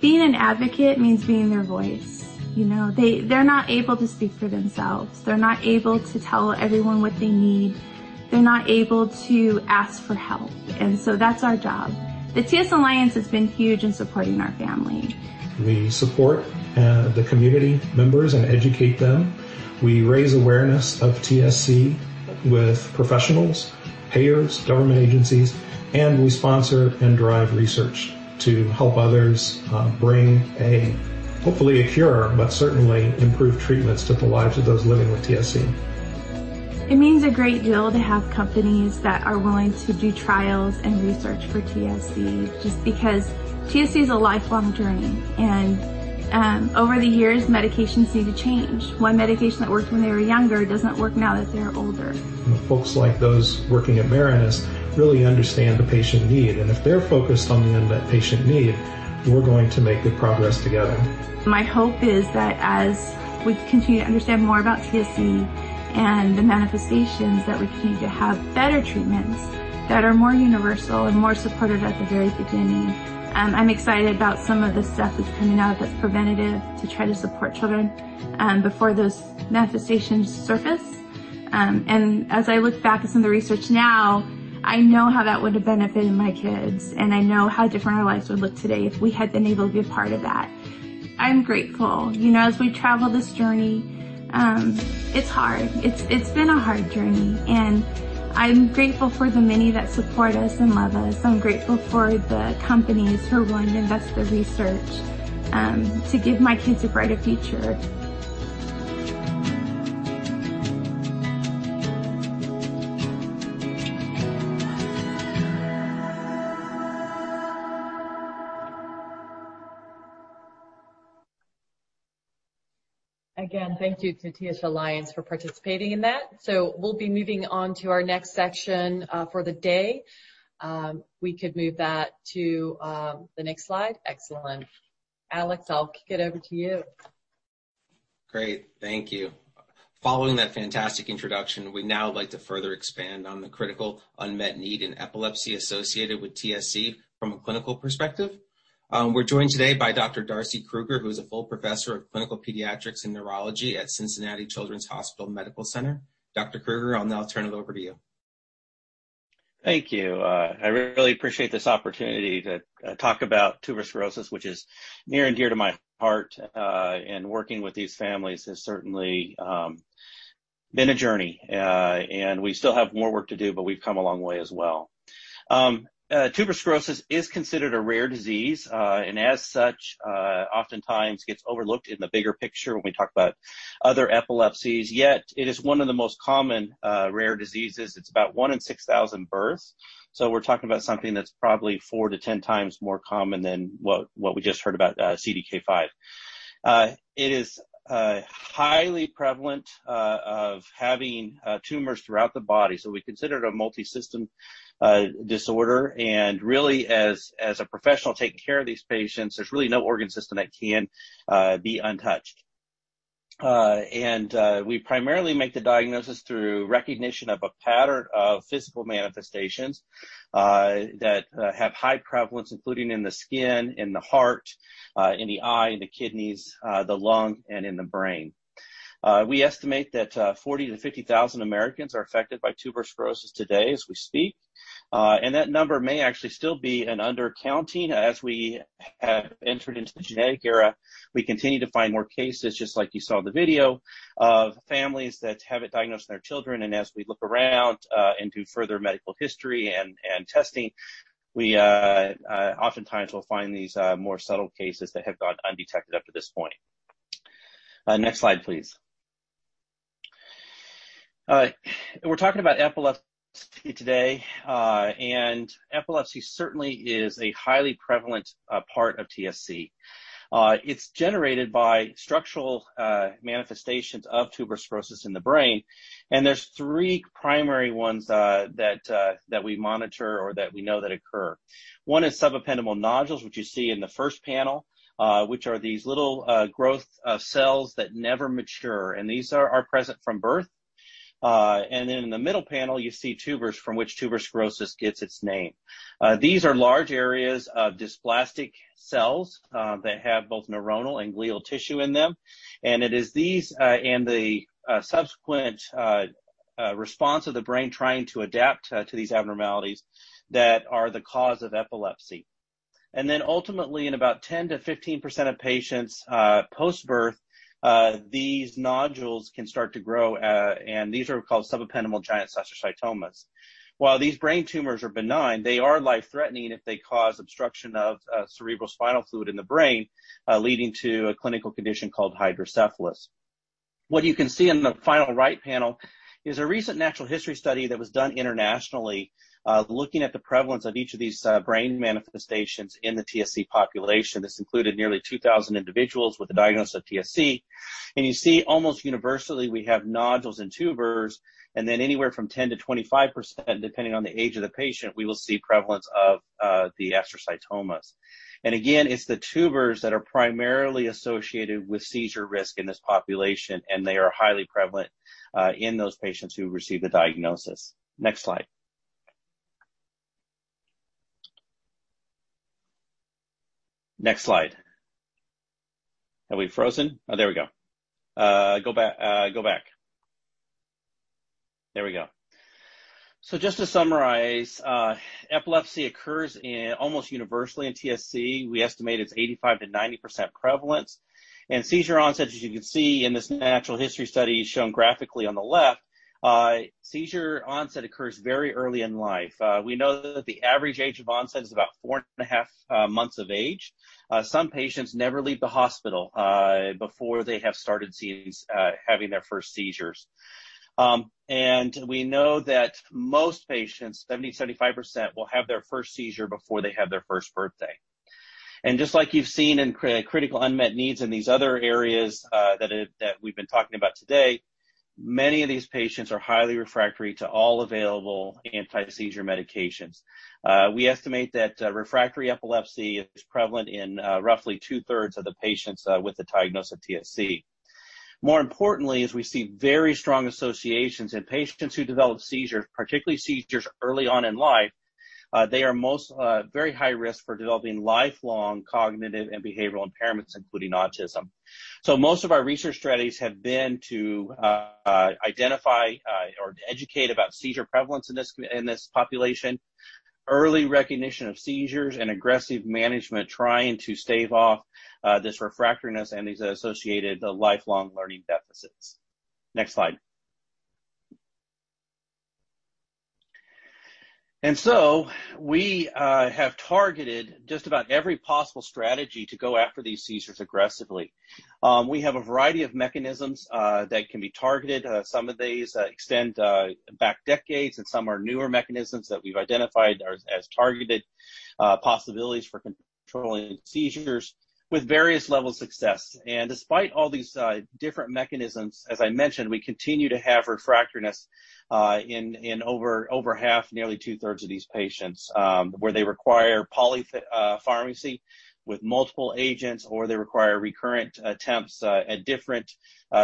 Being an advocate means being their voice. They're not able to speak for themselves. They're not able to tell everyone what they need. They're not able to ask for help. That's our job. The TSC Alliance has been huge in supporting our family. We support the community members and educate them. We raise awareness of TSC with professionals, payers, government agencies, and we sponsor and drive research to help others bring hopefully a cure, but certainly improved treatments to the lives of those living with TSC. It means a great deal to have companies that are willing to do trials and research for TSC, just because TSC is a lifelong journey, and over the years, medications need to change. One medication that worked when they were younger does not work now that they're older. Folks like those working at Marinus really understand the patient need, and if they're focused on the unmet patient need, we're going to make good progress together. My hope is that as we continue to understand more about TSC and the manifestations, that we continue to have better treatments that are more universal and more supported at the very beginning. I'm excited about some of the stuff that's coming out that's preventative to try to support children before those manifestations surface. As I look back at some of the research now, I know how that would have benefited my kids, and I know how different our lives would look today if we had been able to be a part of that. I'm grateful. As we travel this journey, it's hard. It's been a hard journey. I'm grateful for the many that support us and love us. I'm grateful for the companies who are willing to invest the research to give my kids a brighter future. Again, thank you to TSC Alliance for participating in that. We'll be moving on to our next section for the day. We could move that to the next slide. Excellent. Alex, I'll kick it over to you. Great. Thank you. Following that fantastic introduction, we'd now like to further expand on the critical unmet need in epilepsy associated with TSC from a clinical perspective. We're joined today by Dr. Darcy Krueger, who's a full professor of clinical pediatrics and neurology at Cincinnati Children's Hospital Medical Center. Dr. Krueger, I'll now turn it over to you. Thank you. I really appreciate this opportunity to talk about tuberous sclerosis, which is near and dear to my heart. Working with these families has certainly been a journey. We still have more work to do, but we've come a long way as well. Tuberous sclerosis is considered a rare disease, and as such, oftentimes gets overlooked in the bigger picture when we talk about other epilepsies. Yet it is one of the most common rare diseases. It's about one in 6,000 births. We're talking about something that's probably four to 10 times more common than what we just heard about CDKL5. It is highly prevalent of having tumors throughout the body, so we consider it a multi-system disorder. Really, as a professional taking care of these patients, there's really no organ system that can be untouched. We primarily make the diagnosis through recognition of a pattern of physical manifestations that have high prevalence, including in the skin, in the heart, in the eye, in the kidneys, the lung, and in the brain. We estimate that 40,000 to 50,000 Americans are affected by Tuberous Sclerosis today as we speak. That number may actually still be an undercounting. As we have entered into the genetic era, we continue to find more cases, just like you saw in the video, of families that have it diagnosed in their children. As we look around and do further medical history and testing, we oftentimes will find these more subtle cases that have gone undetected up to this point. Next slide, please. We're talking about epilepsy today. Epilepsy certainly is a highly prevalent part of TSC. It's generated by structural manifestations of tuberous sclerosis in the brain. There's three primary ones that we monitor or that we know that occur. One is subependymal nodules, which you see in the first panel, which are these little growth cells that never mature. These are present from birth. In the middle panel, you see tubers from which tuberous sclerosis gets its name. These are large areas of dysplastic cells that have both neuronal and glial tissue in them. It is these and the subsequent response of the brain trying to adapt to these abnormalities that are the cause of epilepsy. Ultimately, in about 10%-15% of patients post-birth, these nodules can start to grow, and these are called subependymal giant cell astrocytomas. While these brain tumors are benign, they are life-threatening if they cause obstruction of cerebrospinal fluid in the brain, leading to a clinical condition called hydrocephalus. What you can see in the final right panel is a recent natural history study that was done internationally, looking at the prevalence of each of these brain manifestations in the TSC population. This included nearly 2,000 individuals with a diagnosis of TSC. You see almost universally, we have nodules and tubers, anywhere from 10%-25%, depending on the age of the patient, we will see prevalence of the astrocytomas. Again, it's the tubers that are primarily associated with seizure risk in this population, and they are highly prevalent in those patients who receive the diagnosis. Next slide. Next slide. Are we frozen? There we go. Go back. There we go. Just to summarize, epilepsy occurs almost universally in TSC. We estimate it's 85%-90% prevalence. Seizure onset, as you can see in this natural history study shown graphically on the left, seizure onset occurs very early in life. We know that the average age of onset is about four and a half months of age. Some patients never leave the hospital, before they have started having their first seizures. We know that most patients, 70%, 75%, will have their first seizure before they have their first birthday. Just like you've seen in critical unmet needs in these other areas that we've been talking about today, many of these patients are highly refractory to all available anti-seizure medications. We estimate that refractory epilepsy is prevalent in roughly two-thirds of the patients with a diagnosis of TSC. More importantly, is we see very strong associations in patients who develop seizures, particularly seizures early on in life. They are at very high risk for developing lifelong cognitive and behavioral impairments, including autism. Most of our research strategies have been to identify or educate about seizure prevalence in this population, early recognition of seizures, and aggressive management, trying to stave off this refractoriness and these associated lifelong learning deficits. Next slide. We have targeted just about every possible strategy to go after these seizures aggressively. We have a variety of mechanisms that can be targeted. Some of these extend back decades, some are newer mechanisms that we've identified as targeted possibilities for controlling seizures with various levels of success. Despite all these different mechanisms, as I mentioned, we continue to have refractoriness in over half, nearly two-thirds of these patients, where they require polypharmacy with multiple agents, or they require recurrent attempts at different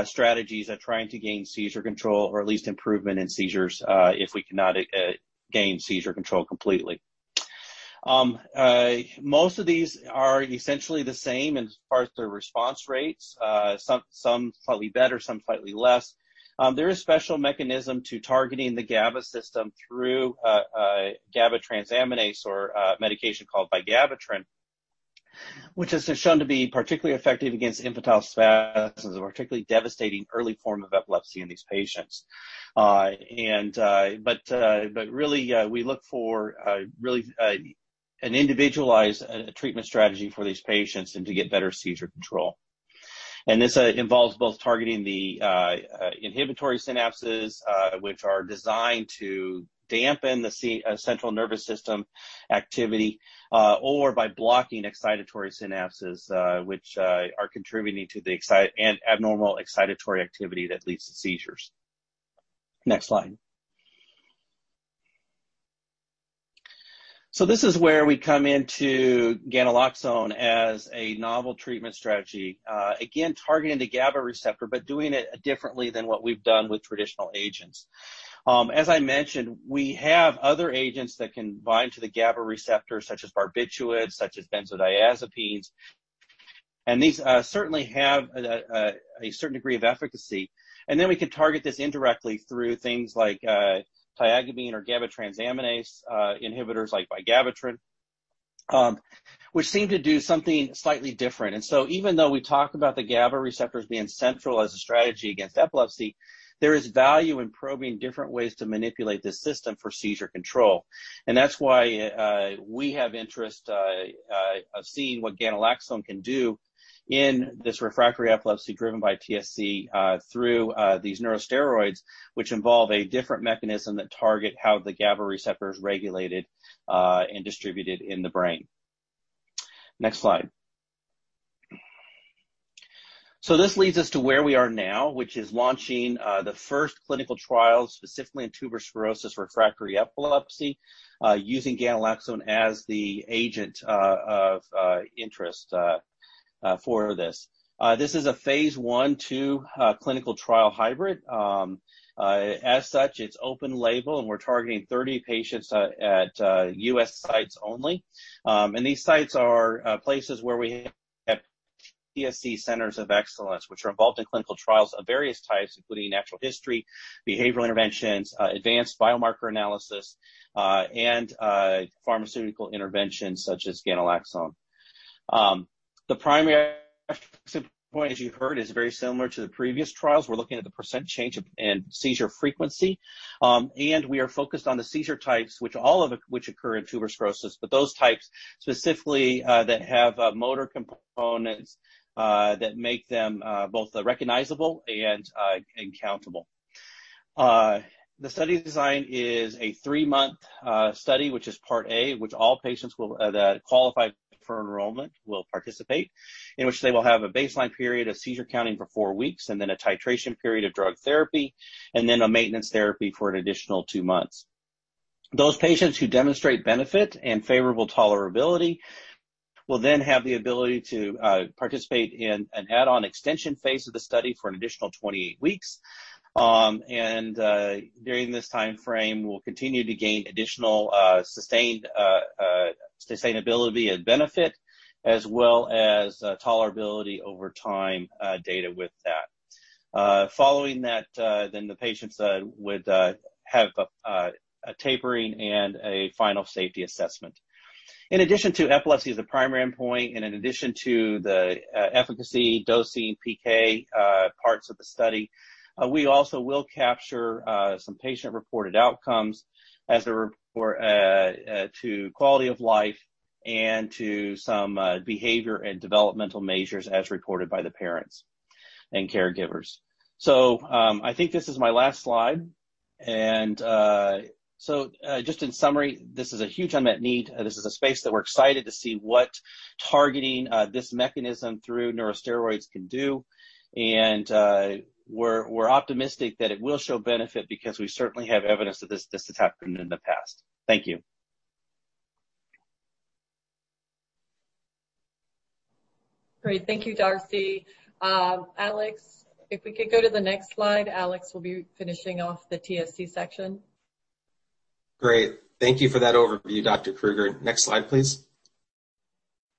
strategies at trying to gain seizure control or at least improvement in seizures, if we cannot gain seizure control completely. Most of these are essentially the same as far as their response rates, some slightly better, some slightly less. There is a special mechanism to targeting the GABA system through GABA transaminase or a medication called vigabatrin, which has been shown to be particularly effective against infantile spasms, a particularly devastating early form of epilepsy in these patients. Really, we look for an individualized treatment strategy for these patients and to get better seizure control. This involves both targeting the inhibitory synapses, which are designed to dampen the central nervous system activity, or by blocking excitatory synapses, which are contributing to the abnormal excitatory activity that leads to seizures. Next slide. This is where we come into ganaxolone as a novel treatment strategy. Again, targeting the GABAA receptor, but doing it differently than what we've done with traditional agents. As I mentioned, we have other agents that can bind to the GABAA receptor, such as barbiturates, such as benzodiazepines, and these certainly have a certain degree of efficacy. Then we can target this indirectly through things like tiagabine or GABA transaminase inhibitors like vigabatrin, which seem to do something slightly different. Even though we talk about the GABA receptors being central as a strategy against epilepsy, there is value in probing different ways to manipulate this system for seizure control. That's why we have interest of seeing what ganaxolone can do in this refractory epilepsy driven by TSC, through these neurosteroids, which involve a different mechanism that target how the GABA receptor is regulated and distributed in the brain. Next slide. This leads us to where we are now, which is launching the first clinical trial, specifically in tuberous sclerosis refractory epilepsy, using ganaxolone as the agent of interest for this. This is a phase I/II clinical trial hybrid. As such, it's open label, and we're targeting 30 patients at U.S. sites only. These sites are places where we have TSC Centers of Excellence, which are involved in clinical trials of various types, including natural history, behavioral interventions, advanced biomarker analysis, and pharmaceutical interventions such as ganaxolone. The primary point, as you heard, is very similar to the previous trials. We're looking at the % change in seizure frequency. We are focused on the seizure types, which occur in tuberous sclerosis, but those types specifically that have motor components that make them both recognizable and countable. The study design is a three-month study, which is Part A, which all patients that qualify for enrollment will participate, in which they will have a baseline period of seizure counting for four weeks, and then a titration period of drug therapy, and then a maintenance therapy for an additional two months. Those patients who demonstrate benefit and favorable tolerability will have the ability to participate in an add-on extension phase of the study for an additional 28 weeks. During this timeframe, we'll continue to gain additional sustainability and benefit, as well as tolerability over time data with that. Following that, the patients would have a tapering and a final safety assessment. In addition to epilepsy as a primary endpoint, in addition to the efficacy dosing PK parts of the study, we also will capture some patient-reported outcomes as a report to quality of life and to some behavior and developmental measures as reported by the parents and caregivers. I think this is my last slide. Just in summary, this is a huge unmet need. This is a space that we're excited to see what targeting this mechanism through neurosteroids can do. We're optimistic that it will show benefit because we certainly have evidence that this has happened in the past. Thank you. Great. Thank you, Darcy. Alex, if we could go to the next slide, Alex will be finishing off the TSC section. Great. Thank you for that overview, Dr. Krueger. Next slide, please.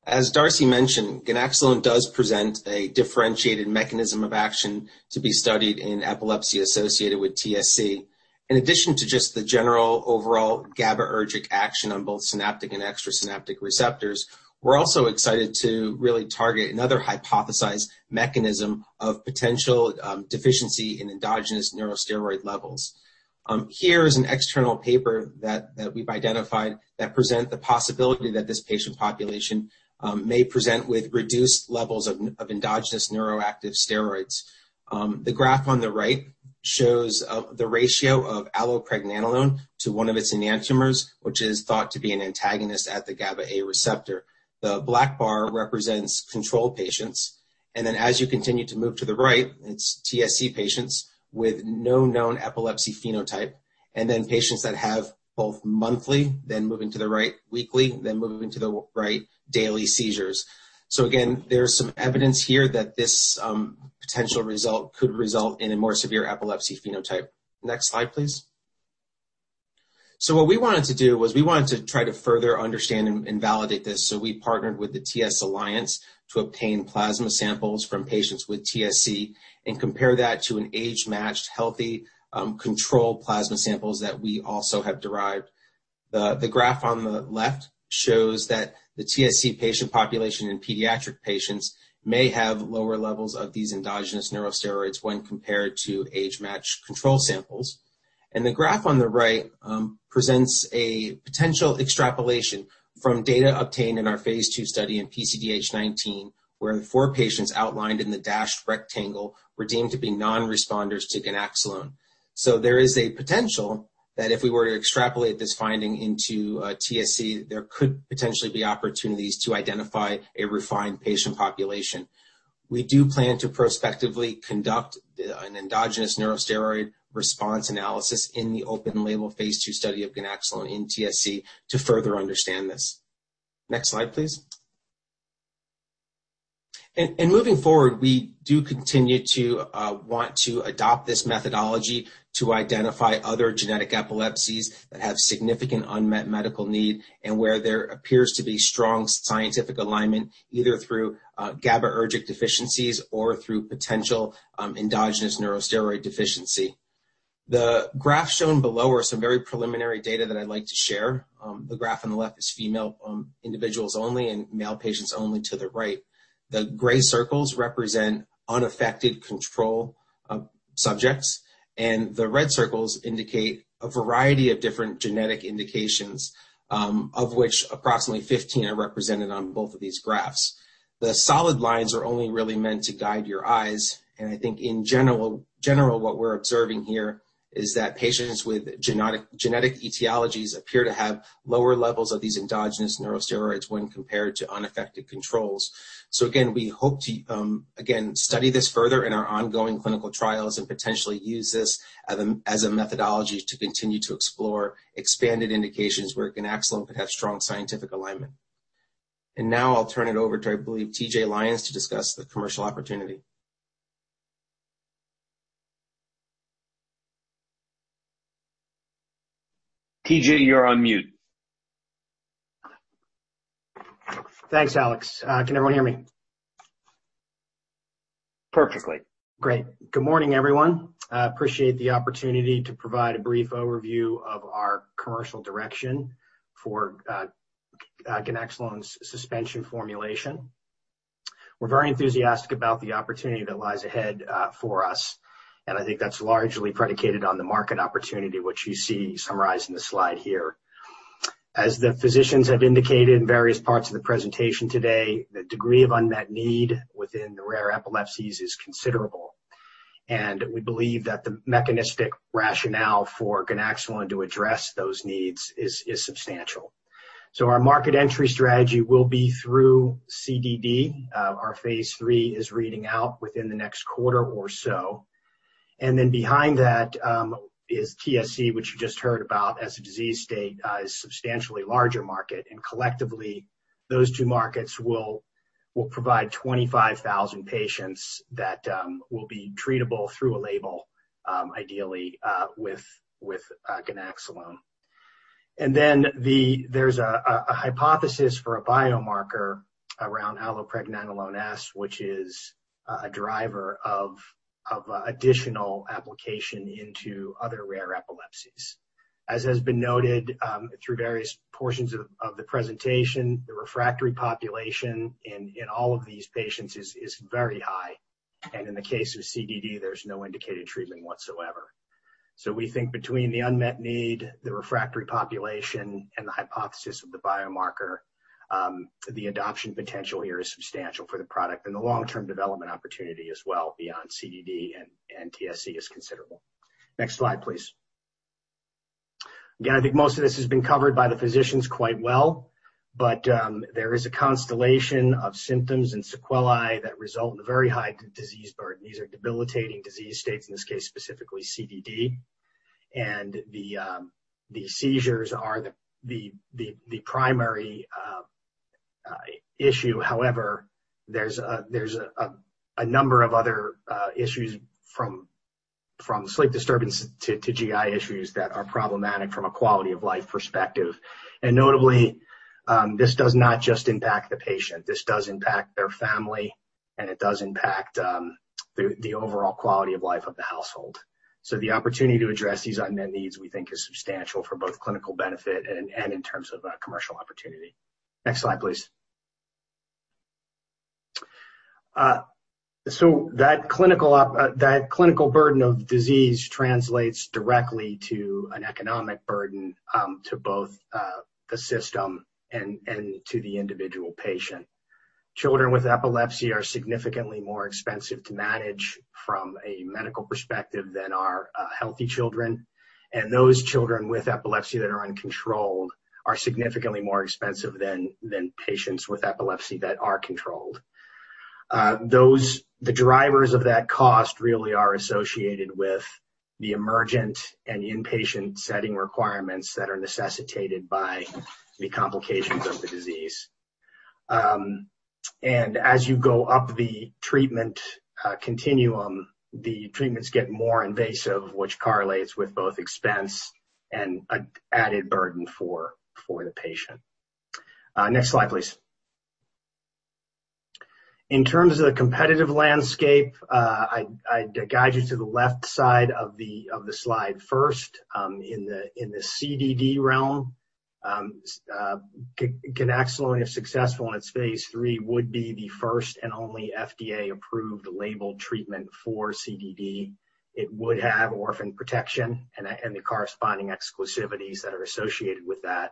As Darcy mentioned, ganaxolone does present a differentiated mechanism of action to be studied in epilepsy associated with TSC. In addition to just the general overall GABAergic action on both synaptic and extrasynaptic receptors, we're also excited to really target another hypothesized mechanism of potential deficiency in endogenous neurosteroid levels. Here is an external paper that we've identified that present the possibility that this patient population may present with reduced levels of endogenous neuroactive steroids. The graph on the right shows the ratio of allopregnanolone to one of its enantiomers, which is thought to be an antagonist at the GABAA receptor. The black bar represents control patients, and then as you continue to move to the right, it's TSC patients with no known epilepsy phenotype, and then patients that have both monthly, then moving to the right, weekly, then moving to the right, daily seizures. Again, there's some evidence here that this potential result could result in a more severe epilepsy phenotype. Next slide, please. What we wanted to do was we wanted to try to further understand and validate this, we partnered with the TS Alliance to obtain plasma samples from patients with TSC and compare that to an age-matched, healthy, control plasma samples that we also have derived. The graph on the left shows that the TSC patient population in pediatric patients may have lower levels of these endogenous neurosteroids when compared to age-matched control samples. The graph on the right presents a potential extrapolation from data obtained in our phase II study in PCDH19, where the four patients outlined in the dashed rectangle were deemed to be non-responders to ganaxolone. There is a potential that if we were to extrapolate this finding into TSC, there could potentially be opportunities to identify a refined patient population. We do plan to prospectively conduct an endogenous neurosteroid response analysis in the open label phase II study of ganaxolone in TSC to further understand this. Next slide, please. Moving forward, we do continue to want to adopt this methodology to identify other genetic epilepsies that have significant unmet medical need, and where there appears to be strong scientific alignment, either through GABAergic deficiencies or through potential endogenous neurosteroid deficiency. The graphs shown below are some very preliminary data that I'd like to share. The graph on the left is female individuals only and male patients only to the right. The gray circles represent unaffected control subjects, and the red circles indicate a variety of different genetic indications, of which approximately 15 are represented on both of these graphs. I think in general, what we're observing here is that patients with genetic etiologies appear to have lower levels of these endogenous neurosteroids when compared to unaffected controls. Again, we hope to study this further in our ongoing clinical trials and potentially use this as a methodology to continue to explore expanded indications where ganaxolone could have strong scientific alignment. Now I'll turn it over to, I believe, TJ Lyons to discuss the commercial opportunity. TJ, you're on mute. Thanks, Alex. Can everyone hear me? Perfectly. Great. Good morning, everyone. I appreciate the opportunity to provide a brief overview of our commercial direction for ganaxolone's suspension formulation. We're very enthusiastic about the opportunity that lies ahead for us, and I think that's largely predicated on the market opportunity, which you see summarized in the slide here. As the physicians have indicated in various parts of the presentation today, the degree of unmet need within the rare epilepsies is considerable, and we believe that the mechanistic rationale for ganaxolone to address those needs is substantial. Our market entry strategy will be through CDD. Our phase III is reading out within the next quarter or so. Behind that is TSC, which you just heard about as a disease state, is substantially larger market. Collectively, those two markets will provide 25,000 patients that will be treatable through a label, ideally, with ganaxolone. There's a hypothesis for a biomarker around allopregnanolone sulfate, which is a driver of additional application into other rare epilepsies. As has been noted through various portions of the presentation, the refractory population in all of these patients is very high. In the case of CDD, there's no indicated treatment whatsoever. We think between the unmet need, the refractory population, and the hypothesis of the biomarker, the adoption potential here is substantial for the product, and the long-term development opportunity as well beyond CDD and TSC is considerable. Next slide, please. Again, I think most of this has been covered by the physicians quite well, but there is a constellation of symptoms and sequelae that result in a very high disease burden. These are debilitating disease states, in this case, specifically CDD. The seizures are the primary issue. However, there's a number of other issues from sleep disturbance to GI issues that are problematic from a quality of life perspective. Notably, this does not just impact the patient. This does impact their family, and it does impact the overall quality of life of the household. The opportunity to address these unmet needs, we think, is substantial for both clinical benefit and in terms of commercial opportunity. Next slide, please. That clinical burden of disease translates directly to an economic burden to both the system and to the individual patient. Children with epilepsy are significantly more expensive to manage from a medical perspective than are healthy children. Those children with epilepsy that are uncontrolled are significantly more expensive than patients with epilepsy that are controlled. The drivers of that cost really are associated with the emergent and inpatient setting requirements that are necessitated by the complications of the disease. As you go up the treatment continuum, the treatments get more invasive, which correlates with both expense and added burden for the patient. Next slide, please. In terms of the competitive landscape, I'd guide you to the left side of the slide first. In the CDD realm, ganaxolone, if successful in its phase III, would be the first and only FDA-approved labeled treatment for CDD. It would have orphan protection and the corresponding exclusivities that are associated with that.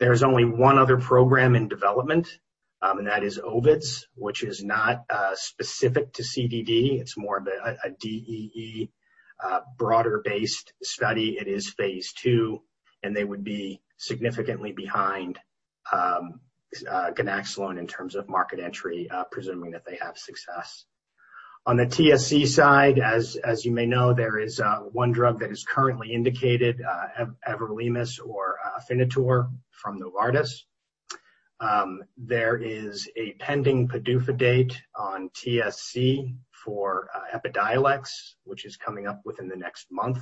There's only one other program in development, and that is Ovid, which is not specific to CDD. It's more of a DEE broader-based study. It is phase II, and they would be significantly behind ganaxolone in terms of market entry, presuming that they have success. On the TSC side, as you may know, there is one drug that is currently indicated, everolimus or AFINITOR from Novartis. There is a pending PDUFA date on TSC for EPIDIOLEX, which is coming up within the next month.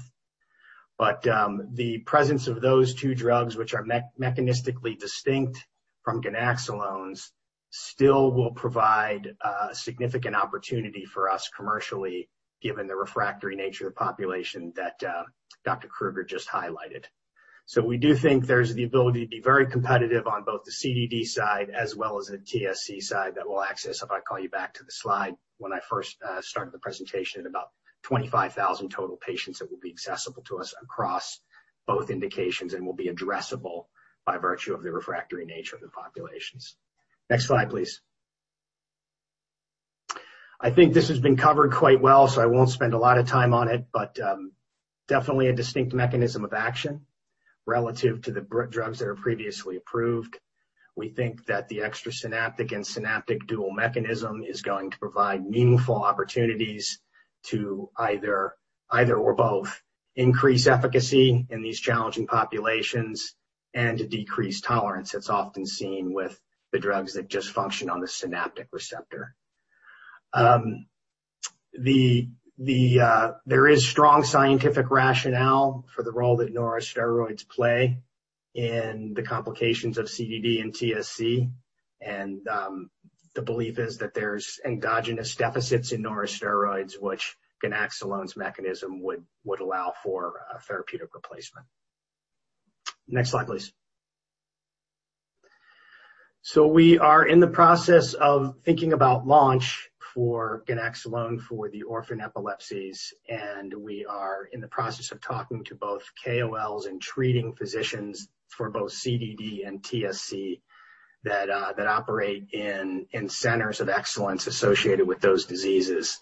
The presence of those two drugs, which are mechanistically distinct from ganaxolones, still will provide significant opportunity for us commercially, given the refractory nature of the population that Dr. Krueger just highlighted. We do think there's the ability to be very competitive on both the CDD side as well as the TSC side that we'll access. If I call you back to the slide, when I first started the presentation, about 25,000 total patients that will be accessible to us across both indications and will be addressable by virtue of the refractory nature of the populations. Next slide, please. I think this has been covered quite well, so I won't spend a lot of time on it, but definitely a distinct mechanism of action relative to the drugs that are previously approved. We think that the extrasynaptic and synaptic dual mechanism is going to provide meaningful opportunities to either or both increase efficacy in these challenging populations and decrease tolerance that's often seen with the drugs that just function on the synaptic receptor. There is strong scientific rationale for the role that neurosteroids play in the complications of CDD and TSC. The belief is that there's endogenous deficits in neurosteroids, which ganaxolone's mechanism would allow for a therapeutic replacement. Next slide, please. We are in the process of thinking about launch for ganaxolone for the orphan epilepsies, and we are in the process of talking to both KOLs and treating physicians for both CDD and TSC that operate in centers of excellence associated with those diseases.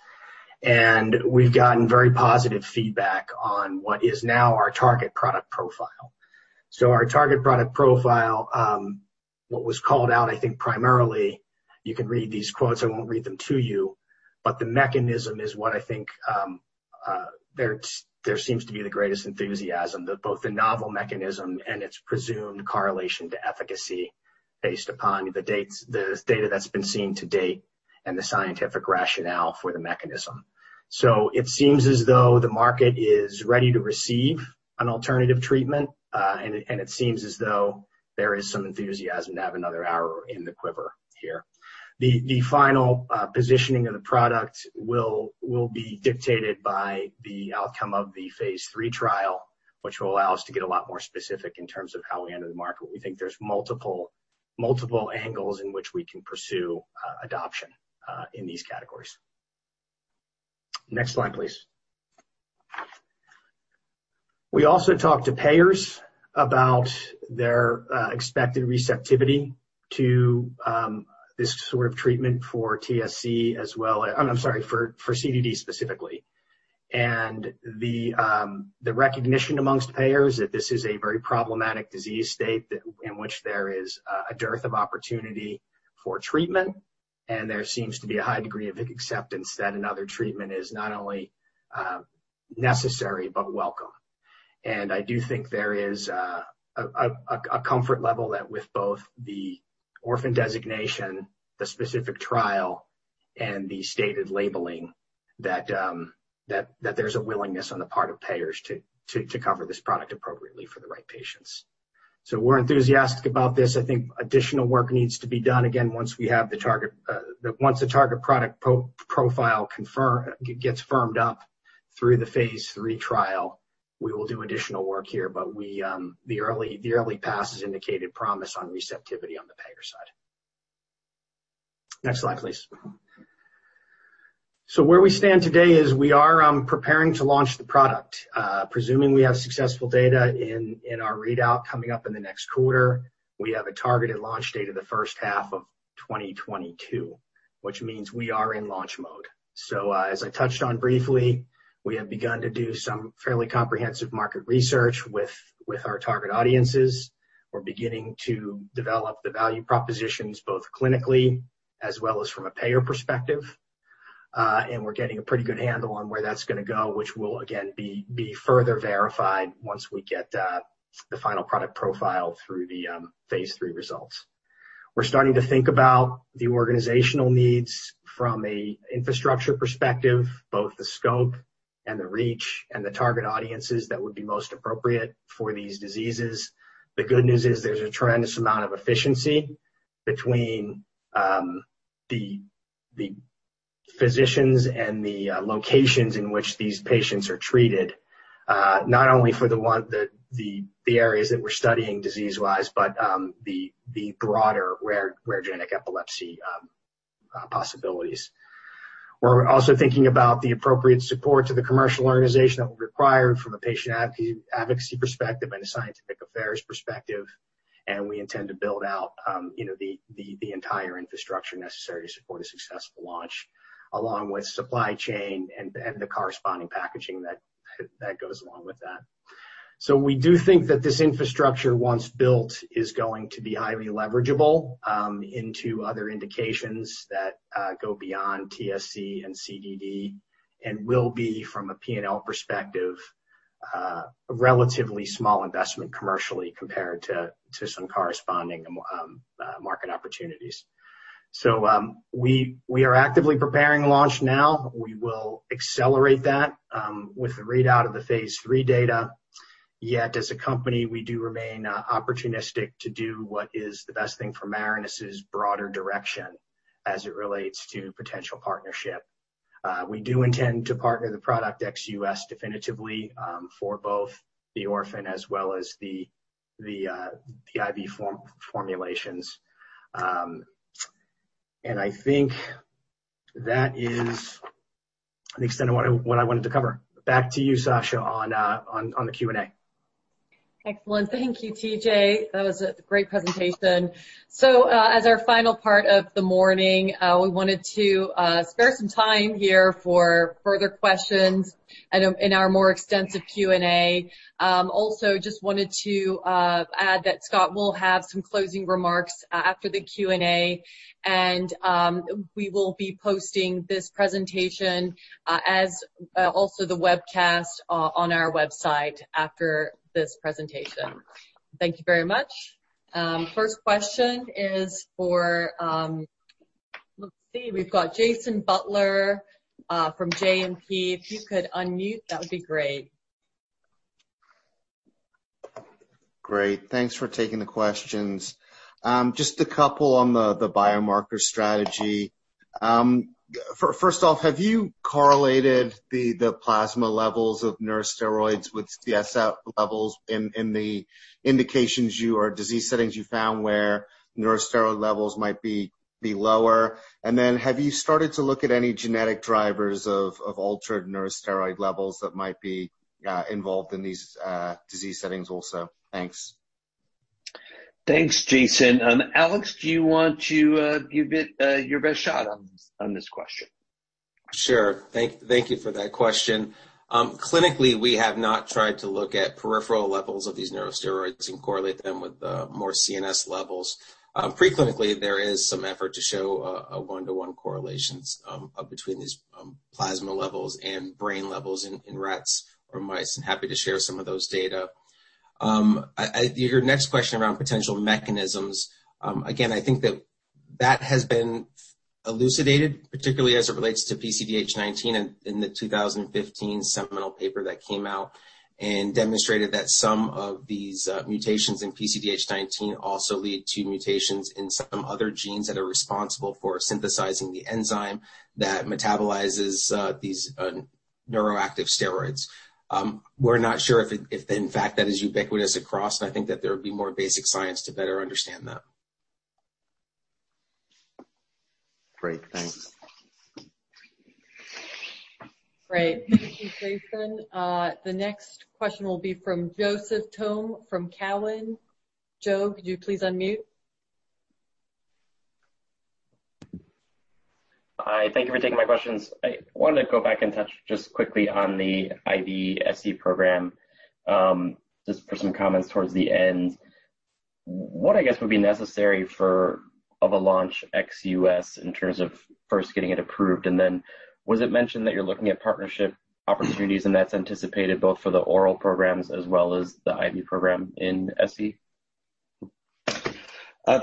We've gotten very positive feedback on what is now our target product profile. Our target product profile, what was called out, I think primarily, you can read these quotes, I won't read them to you, but the mechanism is what I think there seems to be the greatest enthusiasm. Both the novel mechanism and its presumed correlation to efficacy based upon the data that's been seen to date and the scientific rationale for the mechanism. It seems as though the market is ready to receive an alternative treatment. It seems as though there is some enthusiasm to have another arrow in the quiver here. The final positioning of the product will be dictated by the outcome of the phase III trial, which will allow us to get a lot more specific in terms of how we enter the market. We think there's multiple angles in which we can pursue adoption in these categories. Next slide, please. We also talked to payers about their expected receptivity to this sort of treatment for TSC as well I'm sorry, for CDD specifically. The recognition amongst payers that this is a very problematic disease state in which there is a dearth of opportunity for treatment, and there seems to be a high degree of acceptance that another treatment is not only necessary, but welcome. I do think there is a comfort level that with both the orphan designation, the specific trial, and the stated labeling, that there's a willingness on the part of payers to cover this product appropriately for the right patients. We're enthusiastic about this. I think additional work needs to be done. Again, once the target product profile gets firmed up through the phase III trial, we will do additional work here, but the early passes indicated promise on receptivity on the payer side. Next slide, please. Where we stand today is we are preparing to launch the product. Presuming we have successful data in our readout coming up in the next quarter, we have a targeted launch date of the first half of 2022, which means we are in launch mode. As I touched on briefly, we have begun to do some fairly comprehensive market research with our target audiences. We're beginning to develop the value propositions both clinically as well as from a payer perspective. We're getting a pretty good handle on where that's going to go, which will, again, be further verified once we get the final product profile through the phase III results. We're starting to think about the organizational needs from a infrastructure perspective, both the scope and the reach, and the target audiences that would be most appropriate for these diseases. The good news is there's a tremendous amount of efficiency between the physicians and the locations in which these patients are treated. Not only for the areas that we're studying disease-wise, but the broader rare genetic epilepsy possibilities. We're also thinking about the appropriate support to the commercial organization that will require from a patient advocacy perspective and a scientific affairs perspective. We intend to build out the entire infrastructure necessary to support a successful launch, along with supply chain and the corresponding packaging that goes along with that. We do think that this infrastructure, once built, is going to be highly leverageable into other indications that go beyond TSC and CDD, and will be from a P&L perspective, a relatively small investment commercially compared to some corresponding market opportunities. We are actively preparing launch now. We will accelerate that with the readout of the phase III data. Yet as a company, we do remain opportunistic to do what is the best thing for Marinus' broader direction as it relates to potential partnership. We do intend to partner the product ex U.S. definitively for both the orphan as well as the IV formulations. I think that is the extent of what I wanted to cover. Back to you, Sasha, on the Q&A. Excellent. Thank you, TJ. That was a great presentation. As our final part of the morning, we wanted to spare some time here for further questions in our more extensive Q&A. Also, just wanted to add that Scott will have some closing remarks after the Q&A, and we will be posting this presentation as also the webcast on our website after this presentation. Thank you very much. First question is, let's see, we've got Jason Butler from JMP. If you could unmute, that would be great. Great. Thanks for taking the questions. Just a couple on the biomarker strategy. First off, have you correlated the plasma levels of neurosteroids with CSF levels in the indications or disease settings you found where neurosteroid levels might be lower? Then have you started to look at any genetic drivers of altered neurosteroid levels that might be involved in these disease settings also? Thanks. Thanks, Jason. Alex, do you want to give it your best shot on this question? Sure. Thank you for that question. Clinically, we have not tried to look at peripheral levels of these neurosteroids and correlate them with more CNS levels. Preclinically, there is some effort to show a one-to-one correlations between these plasma levels and brain levels in rats or mice, and happy to share some of those data. Your next question around potential mechanisms. Again, I think that that has been elucidated, particularly as it relates to PCDH19 in the 2015 seminal paper that came out and demonstrated that some of these mutations in PCDH19 also lead to mutations in some other genes that are responsible for synthesizing the enzyme that metabolizes these neuroactive steroids. We're not sure if in fact that is ubiquitous across, and I think that there would be more basic science to better understand that. Great. Thanks. Great. Thank you, Jason. The next question will be from Joseph Thome from Cowen. Joe, could you please unmute? Hi, thank you for taking my questions. I wanted to go back and touch just quickly on the IV SE program. Just for some comments towards the end. What I guess would be necessary for a launch ex-U.S. in terms of first getting it approved, and then was it mentioned that you're looking at partnership opportunities, and that's anticipated both for the oral programs as well as the IV program in SE?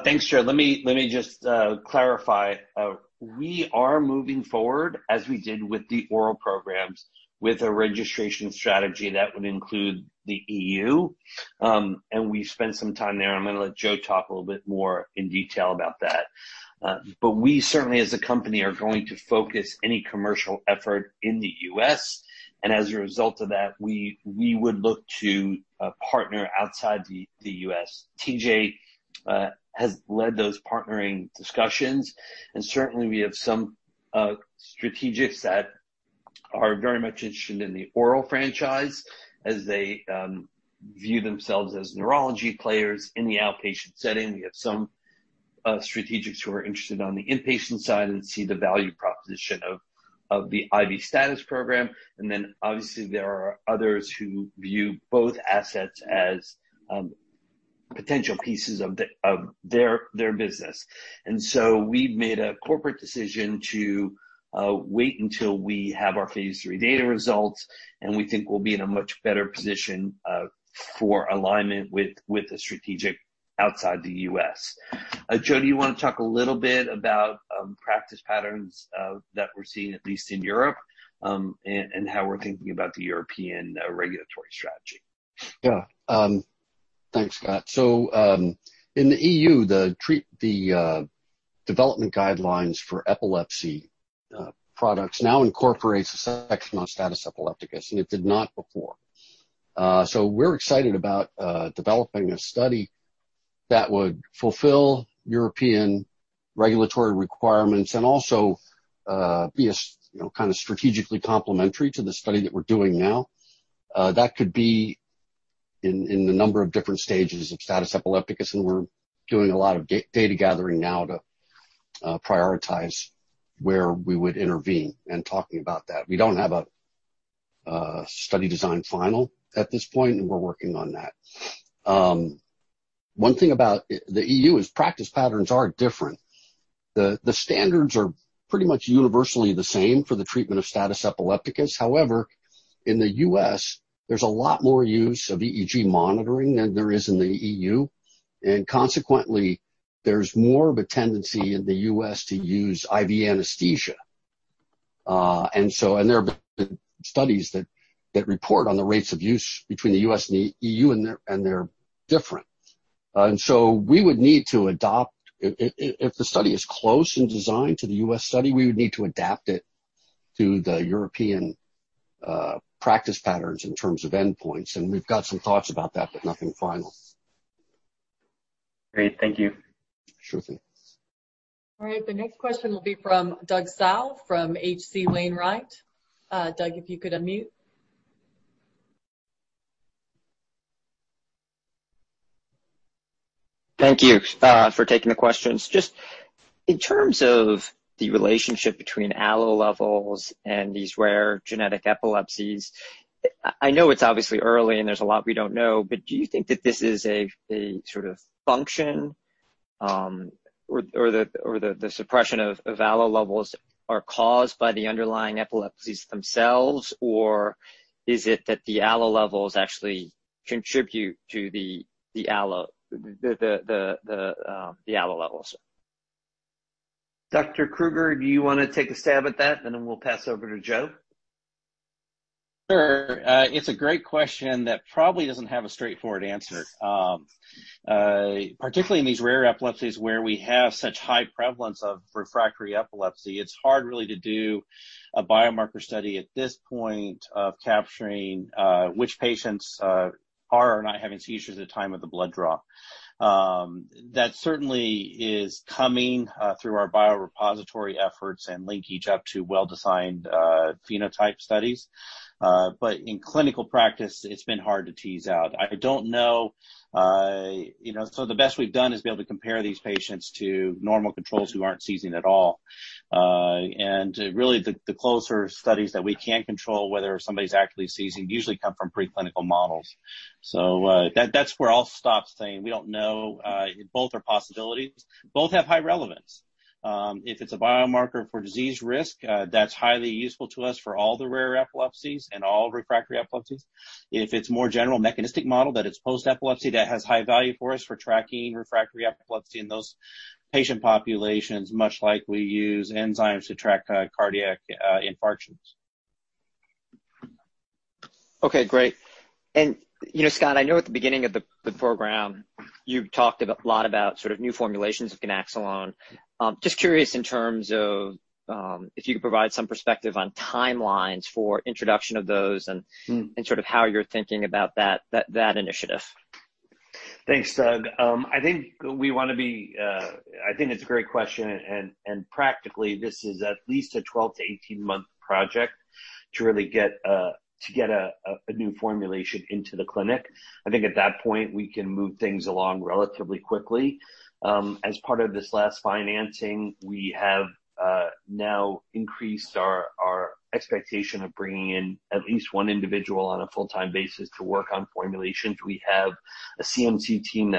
Thanks, Joe. Let me just clarify. We are moving forward as we did with the oral programs, with a registration strategy that would include the EU. We've spent some time there. I'm going to let Joe talk a little bit more in detail about that. We certainly as a company are going to focus any commercial effort in the U.S., and as a result of that, we would look to partner outside the U.S. TJ has led those partnering discussions, and certainly we have some strategics that are very much interested in the oral franchise as they view themselves as neurology players in the outpatient setting. We have some strategics who are interested on the inpatient side and see the value proposition of the IV status program. Obviously there are others who view both assets as potential pieces of their business. We've made a corporate decision to wait until we have our phase III data results, and we think we'll be in a much better position for alignment with a strategic outside the U.S. Joe, do you want to talk a little bit about practice patterns that we're seeing, at least in Europe, and how we're thinking about the European regulatory strategy? Yeah. Thanks, Scott. In the EU, the development guidelines for epilepsy products now incorporates status epilepticus, and it did not before. We're excited about developing a study that would fulfill European regulatory requirements and also be kind of strategically complementary to the study that we're doing now. That could be in the number of different stages of status epilepticus, and we're doing a lot of data gathering now to prioritize where we would intervene and talking about that. We don't have a study design final at this point, and we're working on that. One thing about the EU is practice patterns are different. The standards are pretty much universally the same for the treatment of status epilepticus. However, in the U.S., there's a lot more use of EEG monitoring than there is in the E.U., and consequently, there's more of a tendency in the U.S. to use IV anesthesia. There have been studies that report on the rates of use between the U.S. and the E.U., and they're different. If the study is close in design to the U.S. study, we would need to adapt it to the European practice patterns in terms of endpoints. We've got some thoughts about that, but nothing final. Great. Thank you. Sure thing. All right. The next question will be from Doug Tsao from H.C. Wainwright. Doug, if you could unmute. Thank you for taking the questions. Just in terms of the relationship between allo levels and these rare genetic epilepsies, I know it's obviously early and there's a lot we don't know, do you think that this is a sort of function or the suppression of allo levels are caused by the underlying epilepsies themselves, or is it that the allo levels actually contribute to the allo levels? Dr. Krueger, do you want to take a stab at that? We'll pass over to Joe. Sure. It's a great question that probably doesn't have a straightforward answer. Particularly in these rare epilepsies where we have such high prevalence of refractory epilepsy, it's hard really to do a biomarker study at this point of capturing which patients are or are not having seizures at the time of the blood draw. That certainly is coming through our biorepository efforts and linkage up to well-designed phenotype studies. In clinical practice, it's been hard to tease out. The best we've done is be able to compare these patients to normal controls who aren't seizing at all. Really, the closer studies that we can control whether somebody's actually seizing usually come from preclinical models. That's where I'll stop saying. We don't know. Both are possibilities. Both have high relevance. If it's a biomarker for disease risk, that's highly useful to us for all the rare epilepsies and all refractory epilepsies. If it's more general mechanistic model that it's post epilepsy, that has high value for us for tracking refractory epilepsy in those patient populations, much like we use enzymes to track cardiac infarctions. Okay, great. Scott, I know at the beginning of the program, you talked a lot about sort of new formulations of ganaxolone. Just curious in terms of if you could provide some perspective on timelines for introduction of those? Sort of how you're thinking about that initiative. Thanks, Doug. I think it's a great question. Practically, this is at least a 12 to 18-month project to really get a new formulation into the clinic. I think at that point, we can move things along relatively quickly. As part of this last financing, we have now increased our expectation of bringing in at least one individual on a full-time basis to work on formulations. We have a CMC team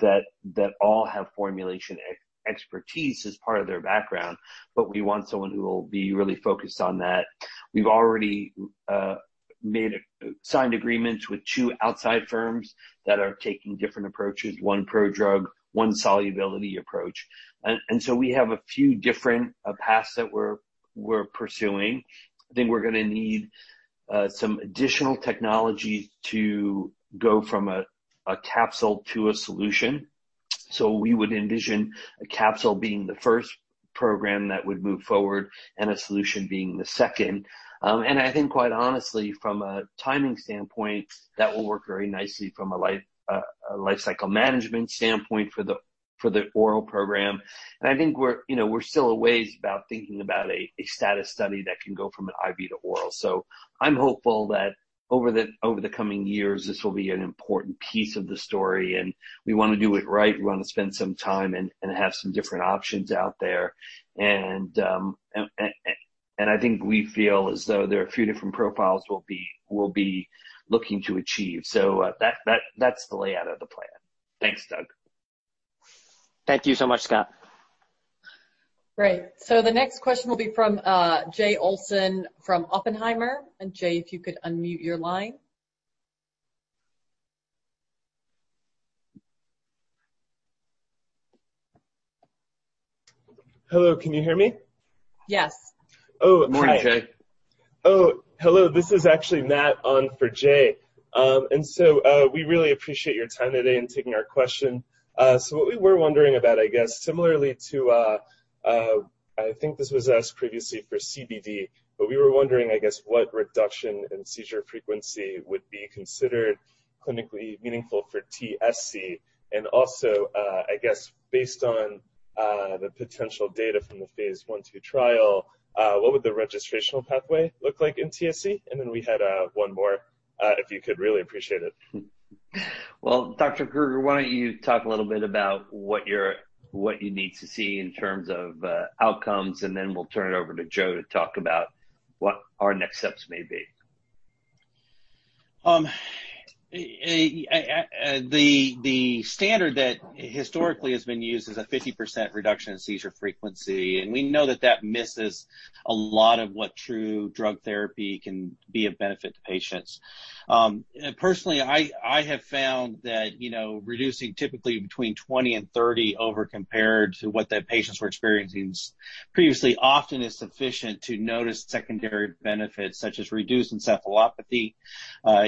that all have formulation expertise as part of their background. We want someone who will be really focused on that. We've already signed agreements with two outside firms that are taking different approaches, one prodrug, one solubility approach. We have a few different paths that we're pursuing. I think we're going to need some additional technology to go from a capsule to a solution. We would envision a capsule being the first program that would move forward and a solution being the second. I think quite honestly, from a timing standpoint, that will work very nicely from a life cycle management standpoint for the oral program. I think we're still a ways about thinking about a status study that can go from an IV to oral. I'm hopeful that over the coming years, this will be an important piece of the story, and we want to do it right. We want to spend some time and have some different options out there. I think we feel as though there are a few different profiles we'll be looking to achieve. That's the layout of the plan. Thanks, Doug. Thank you so much, Scott. Great. The next question will be from Jay Olson from Oppenheimer. Jay, if you could unmute your line. Hello, can you hear me? Yes. Morning, Jay. Hello. This is actually Matt on for Jay. We really appreciate your time today and taking our question. What we were wondering about, I guess similarly to, I think this was asked previously for CDD, but we were wondering, I guess, what reduction in seizure frequency would be considered clinically meaningful for TSC? Also, I guess based on the potential data from the phase I/II trial, what would the registrational pathway look like in TSC? We had one more, if you could. Really appreciate it. Well, Dr. Krueger, why don't you talk a little bit about what you need to see in terms of outcomes, and then we'll turn it over to Joe to talk about what our next steps may be. The standard that historically has been used is a 50% reduction in seizure frequency, and we know that that misses a lot of what true drug therapy can be of benefit to patients. Personally, I have found that reducing typically between 20 and 30 over compared to what the patients were experiencing previously, often is sufficient to notice secondary benefits such as reduced encephalopathy,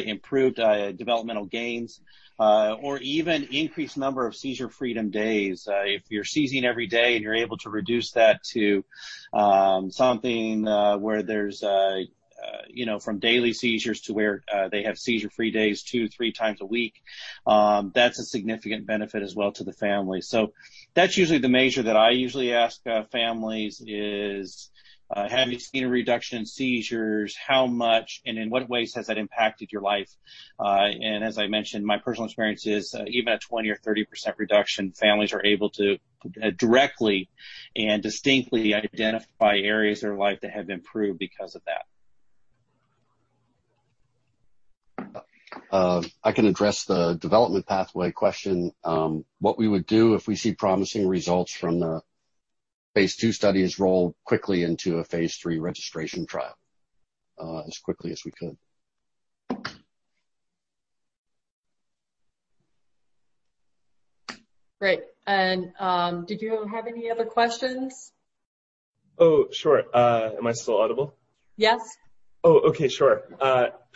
improved developmental gains, or even increased number of seizure freedom days. If you're seizing every day and you're able to reduce that to something from daily seizures to where they have seizure-free days two, three times a week, that's a significant benefit as well to the family. That's usually the measure that I usually ask families is, have you seen a reduction in seizures? How much? In what ways has that impacted your life? As I mentioned, my personal experience is even at 20 or 30% reduction, families are able to directly and distinctly identify areas of their life that have improved because of that. I can address the development pathway question. What we would do if we see promising results from the phase II study is roll quickly into a phase III registration trial. As quickly as we could. Great. Did you have any other questions? Oh, sure. Am I still audible? Yes. Oh, okay. Sure.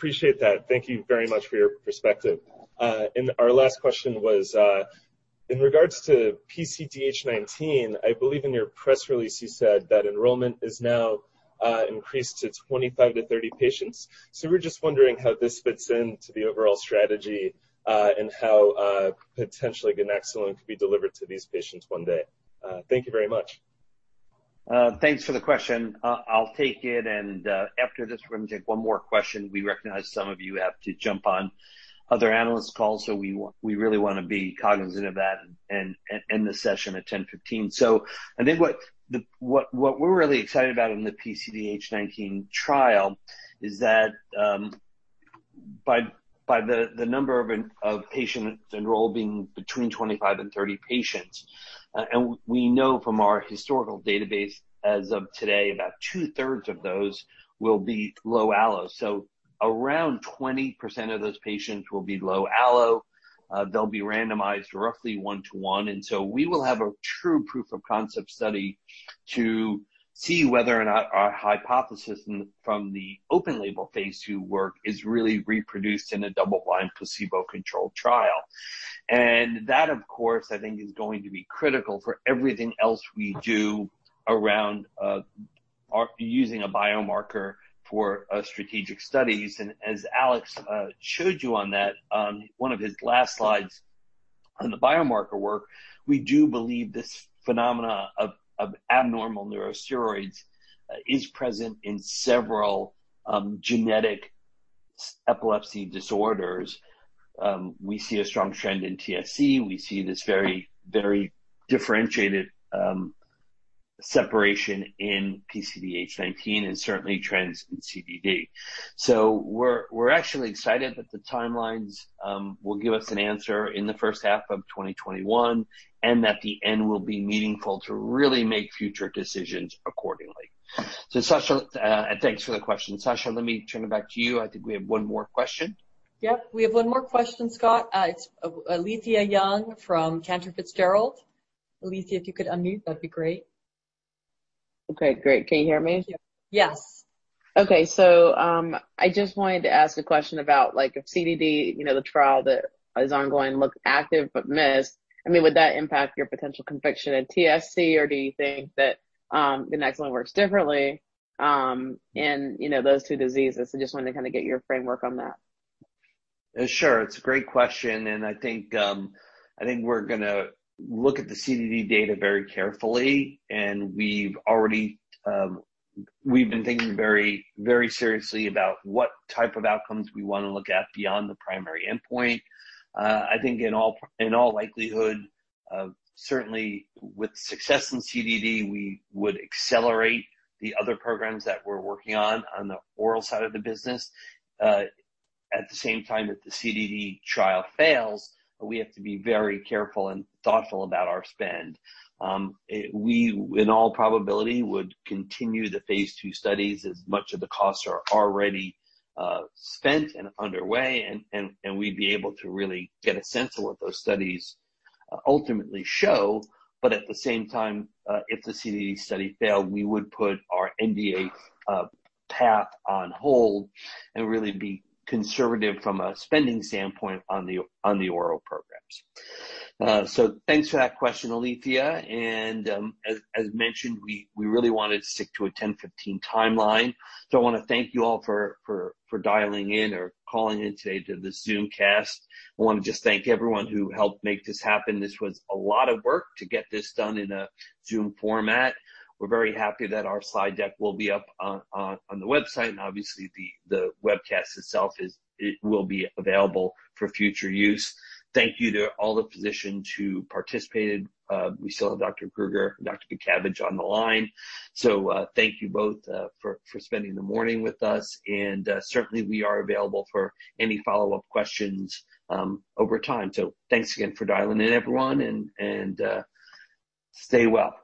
Appreciate that. Thank you very much for your perspective. Our last question was, in regards to PCDH19, I believe in your press release you said that enrollment is now increased to 25 to 30 patients. We're just wondering how this fits into the overall strategy, and how potentially ganaxolone could be delivered to these patients one day. Thank you very much. Thanks for the question. I'll take it, and after this we're going to take one more question. We recognize some of you have to jump on other analyst calls, so we really want to be cognizant of that and end the session at 10:15 A.M. I think what we're really excited about in the PCDH19 trial is that, by the number of patients enrolled being between 25 and 30 patients. We know from our historical database as of today, about two-thirds of those will be low allo. Around 20% of those patients will be low allo. They'll be randomized roughly one to one, and so we will have a true proof of concept study to see whether or not our hypothesis from the open label phase II work is really reproduced in a double-blind placebo-controlled trial. That, of course, I think is going to be critical for everything else we do around using a biomarker for strategic studies. As Alex showed you on that on one of his last slides on the biomarker work, we do believe this phenomena of abnormal neurosteroids is present in several genetic epilepsy disorders. We see a strong trend in TSC. We see this very differentiated separation in PCDH19 and certainly trends in CDD. We're actually excited that the timelines will give us an answer in the first half of 2021, and that the end will be meaningful to really make future decisions accordingly. Sasha, thanks for the question. Sasha, let me turn it back to you. I think we have one more question. Yep. We have one more question, Scott. It's Alethia Young from Cantor Fitzgerald. Alethia, if you could unmute, that'd be great. Okay, great. Can you hear me? Yes. I just wanted to ask a question about if CDD, the trial that is ongoing, looked active but missed. Would that impact your potential conviction in TSC, or do you think that ganaxolone works differently in those two diseases? I just wanted to kind of get your framework on that. Sure. It's a great question. I think we're going to look at the CDD data very carefully. We've been thinking very seriously about what type of outcomes we want to look at beyond the primary endpoint. I think in all likelihood, certainly with success in CDD, we would accelerate the other programs that we're working on the oral side of the business. At the same time, if the CDD trial fails, we have to be very careful and thoughtful about our spend. We, in all probability, would continue the phase II studies as much of the costs are already spent and underway. We'd be able to really get a sense of what those studies ultimately show. At the same time, if the CDD study failed, we would put our NDA path on hold and really be conservative from a spending standpoint on the oral programs. Thanks for that question, Alethia. As mentioned, we really wanted to stick to a 10:15 timeline. I want to thank you all for dialing in or calling in today to this Zoom cast. I want to just thank everyone who helped make this happen. This was a lot of work to get this done in a Zoom format. We're very happy that our slide deck will be up on the website. Obviously the webcast itself will be available for future use. Thank you to all the physicians who participated. We still have Dr. Krueger and Dr. Vitcavage on the line. Thank you both for spending the morning with us, and certainly we are available for any follow-up questions over time. Thanks again for dialing in, everyone, and stay well.